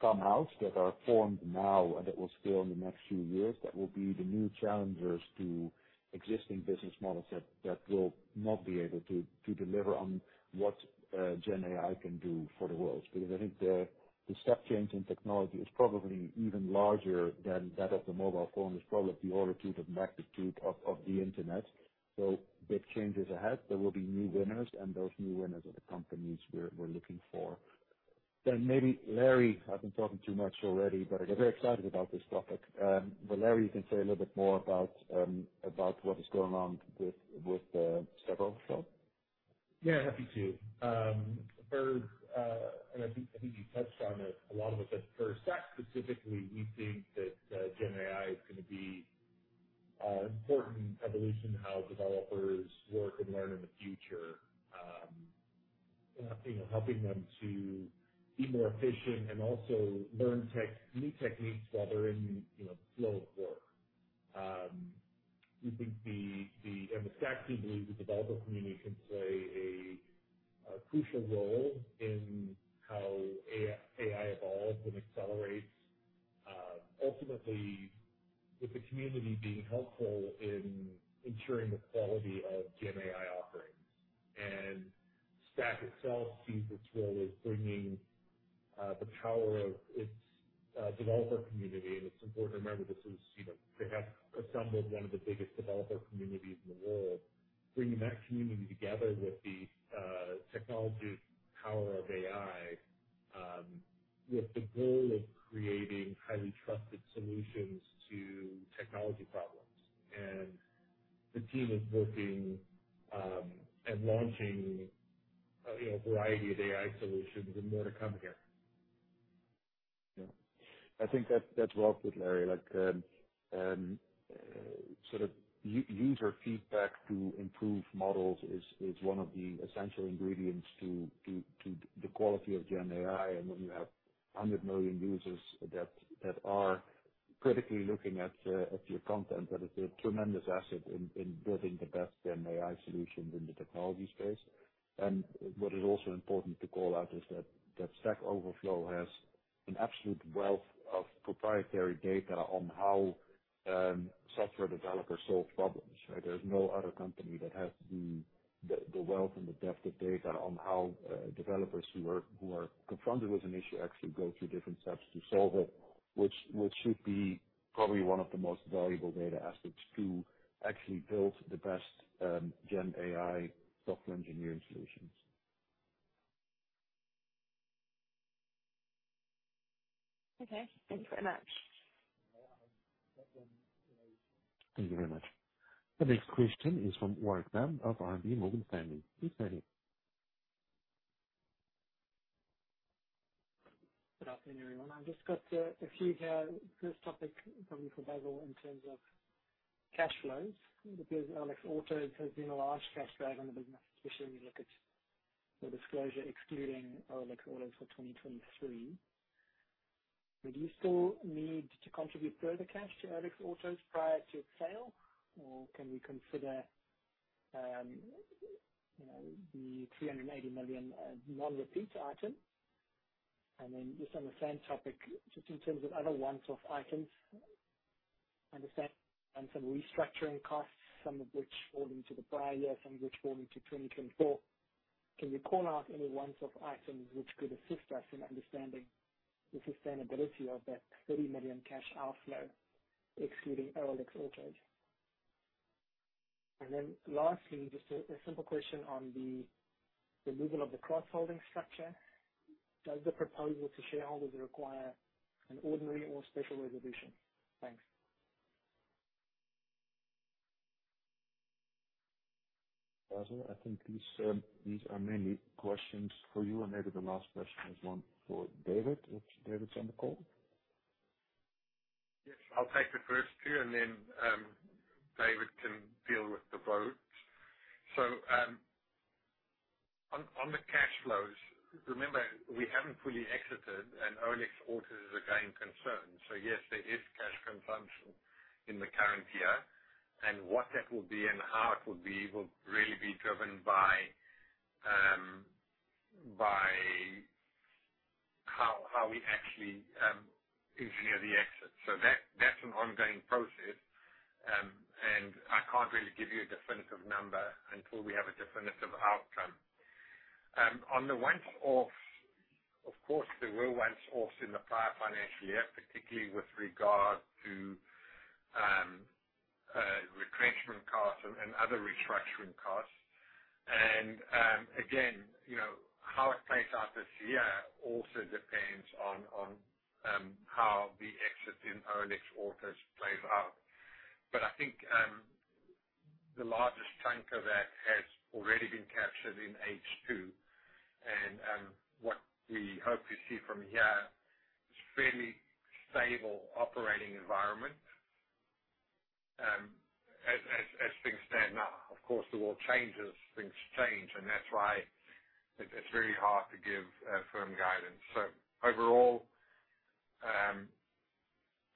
come out that are formed now, and that will scale in the next few years. That will be the new challengers to existing business models that will not be able to deliver on what GenAI can do for the world. I think the step change in technology is probably even larger than that of the mobile phone. It's probably the order of magnitude of the internet. Big changes ahead. There will be new winners, and those new winners are the companies we're looking for. Maybe Larry, I've been talking too much already, but I get very excited about this topic. Larry, you can say a little bit more about what is going on with Stack Overflow. Yeah, happy to. First, I think you touched on it, a lot of it, but for Stack specifically, we think that GenAI is going to be an important evolution in how developers work and learn in the future. You know, helping them to be more efficient and also learn new techniques while they're in, you know, flow of work. We think the Stack team believes the developer community can play a crucial role in how AI evolves and accelerates, ultimately, with the community being helpful in ensuring the quality of GenAI offerings. Stack itself sees its role as bringing the power of its developer community. It's important to remember, this is, you know, they have assembled one of the biggest developer communities in the world. Bringing that community together with the technology power of AI, with the goal of creating highly trusted solutions to technology problems. The team is working, and launching, you know, a variety of AI solutions and more to come here. Yeah. I think that's well said, Larry. Like, sort of user feedback to improve models is one of the essential ingredients to the quality of GenAI. When you have 100 million users that are critically looking at your content, that is a tremendous asset in building the best GenAI solutions in the technology space. What is also important to call out is that Stack Overflow has an absolute wealth of proprietary data on how software developers solve problems, right? There's no other company that has the wealth and the depth of data on how developers who are confronted with an issue actually go through different steps to solve it, which should be probably one of the most valuable data assets to actually build the best GenAI software engineering solutions. Okay. Thank you very much. Thank you very much. The next question is from Warwick Bam of RMB Morgan Stanley. Please go ahead. Good afternoon, everyone. I've just got a few, first topic, probably for Basil, in terms of cash flows, because OLX Autos has been a large cash drag on the business, especially when you look at the disclosure excluding OLX Autos for 2023. Would you still need to contribute further cash to OLX Autos prior to its sale, or can we consider, you know, the $380 million a non-repeat item? Just on the same topic, just in terms of other once-off items, understand some restructuring costs, some of which fall into the prior year, some of which fall into 2024. Can you call out any once-off items which could assist us in understanding the sustainability of that $30 million cash outflow, excluding OLX Autos? Lastly, just a simple question on the removal of the cross-holding structure. Does the proposal to shareholders require an ordinary or special resolution? Thanks. Basil, I think these are mainly questions for you, and maybe the last question is one for David, if David's on the call. Yes, I'll take the first two, and then David can deal with the vote. On the cash flows, remember, we haven't fully exited, and OLX Autos is again concerned. Yes, there is cash consumption in the current year, and what that will be and how it will be, will really be driven by how we actually engineer the exit. That's an ongoing process, and I can't really give you a definitive number until we have a definitive outcome. On the once-offs, of course, there were once-offs in the prior financial year, particularly with regard to retrenchment costs and other restructuring costs. Again, you know, how it plays out this year also depends on how the exit in OLX Autos plays out. I think the largest chunk of that has already been captured in H2, and what we hope to see from here is fairly stable operating environment as things stand now. Of course, the world changes, things change, and that's why it's very hard to give firm guidance. Overall,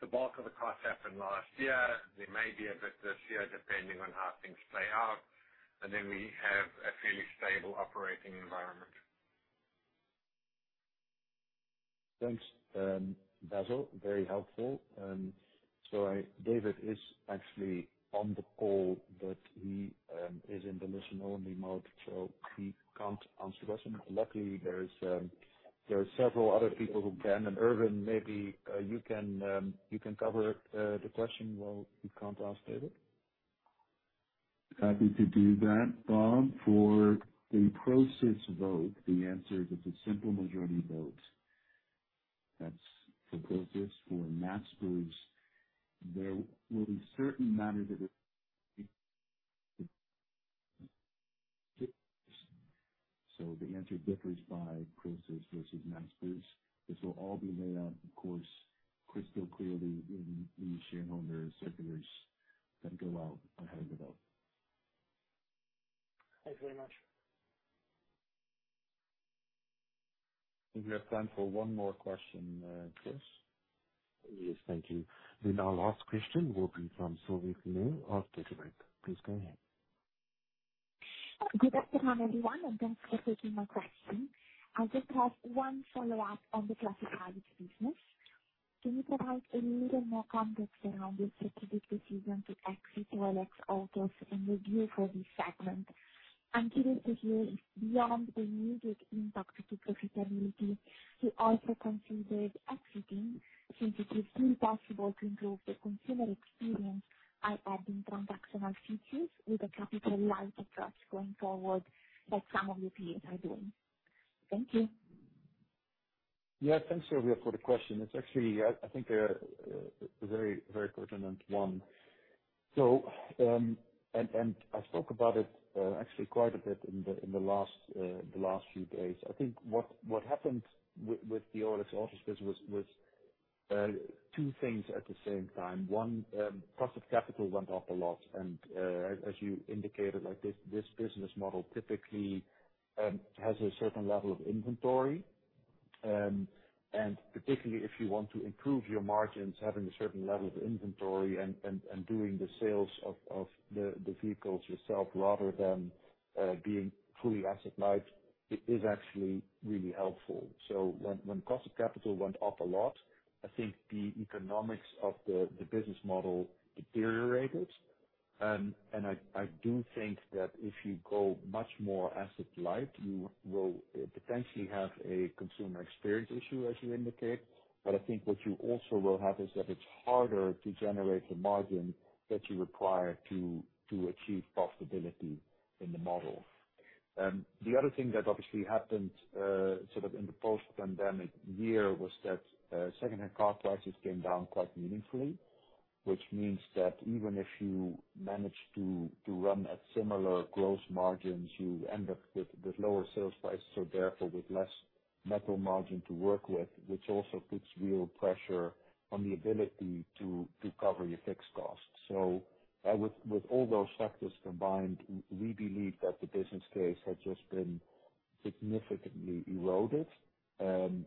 the bulk of the costs happened last year. There may be a bit this year, depending on how things play out, and then we have a fairly stable operating environment. Thanks, Basil. Very helpful. David is actually on the call, but he is in the listen-only mode, so he can't answer the question. Luckily, there are several other people who can. Ervin, maybe, you can cover the question while we can't ask David? Happy to do that, Bob. For the ProSiebenSat.1 vote, the answer is it's a simple majority vote. That's for Prosus. For Naspers, there will be certain matters that it. The answer differs by Prosus versus Naspers. This will all be laid out, of course, crystal clearly in the shareholder circulars that go out ahead of the vote. Thanks very much. I think we have time for 1 more question, Chris. Yes, thank you. The now last question will be from Silvia Cuneo of Deutsche Bank. Please go ahead. Good afternoon, everyone. Thanks for taking my question. I just have one follow-up on the classifieds business. Can you provide a little more context around the strategic decision to exit OLX Autos and review for this segment? I'm curious to hear, beyond the music impact to profitability, you also considered exiting, since it is still possible to improve the consumer experience by adding transactional features with a capital light approach going forward, like some of your peers are doing. Thank you. Thanks, Silvia, for the question. It's actually, I think, a very, very pertinent one. I spoke about it actually quite a bit in the last few days. I think what happened with the OLX Autos business was two things at the same time. One, cost of capital went up a lot, as you indicated, like, this business model typically has a certain level of inventory. Particularly if you want to improve your margins, having a certain level of inventory and doing the sales of the vehicles yourself, rather than being fully asset light, it is actually really helpful. When cost of capital went up a lot, I think the economics of the business model deteriorated. I do think that if you go much more asset light, you will potentially have a consumer experience issue, as you indicate. I think what you also will have is that it's harder to generate the margin that you require to achieve profitability in the model. The other thing that obviously happened sort of in the post-pandemic year, was that second-hand car prices came down quite meaningfully. Which means that even if you manage to run at similar gross margins, you end up with lower sales prices, so therefore with less metal margin to work with, which also puts real pressure on the ability to cover your fixed costs. With all those factors combined, we believe that the business case had just been significantly eroded, and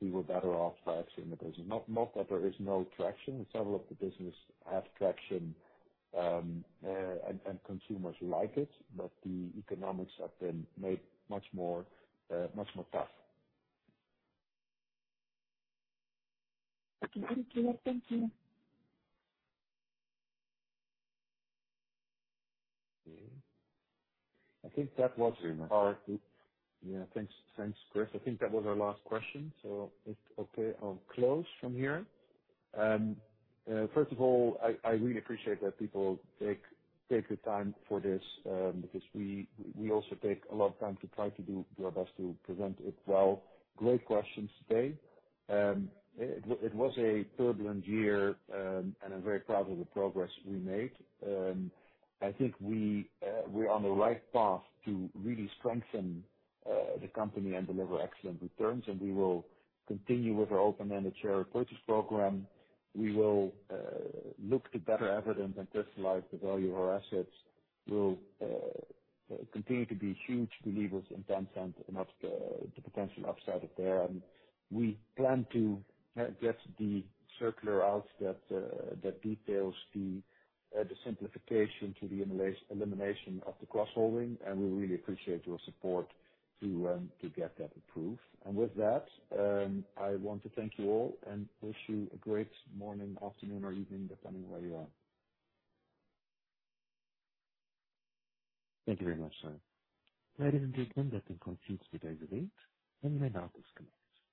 we were better off exiting the business. Not that there is no traction. Several of the business have traction, and consumers like it. The economics have been made much more tough. Okay. Very clear. Thank you. Okay. I think that was Yeah, thanks. Thanks, Chris. If okay, I'll close from here. First of all, I really appreciate that people take the time for this because we also take a lot of time to try to do our best to present it well. Great questions today. It was a turbulent year, I'm very proud of the progress we made. I think we're on the right path to really strengthen the company and deliver excellent returns. We will continue with our open-ended share purchase program. We will look to better evident and personalize the value of our assets, will continue to be huge believers in Tencent and up the potential upside of there. We plan to get the circular out that details the simplification to the elimination of the cross-holding, and we really appreciate your support to get that approved. With that, I want to thank you all and wish you a great morning, afternoon, or evening, depending on where you are. Thank you very much, sir. Ladies and gentlemen, that concludes today's event, line is now disconnected.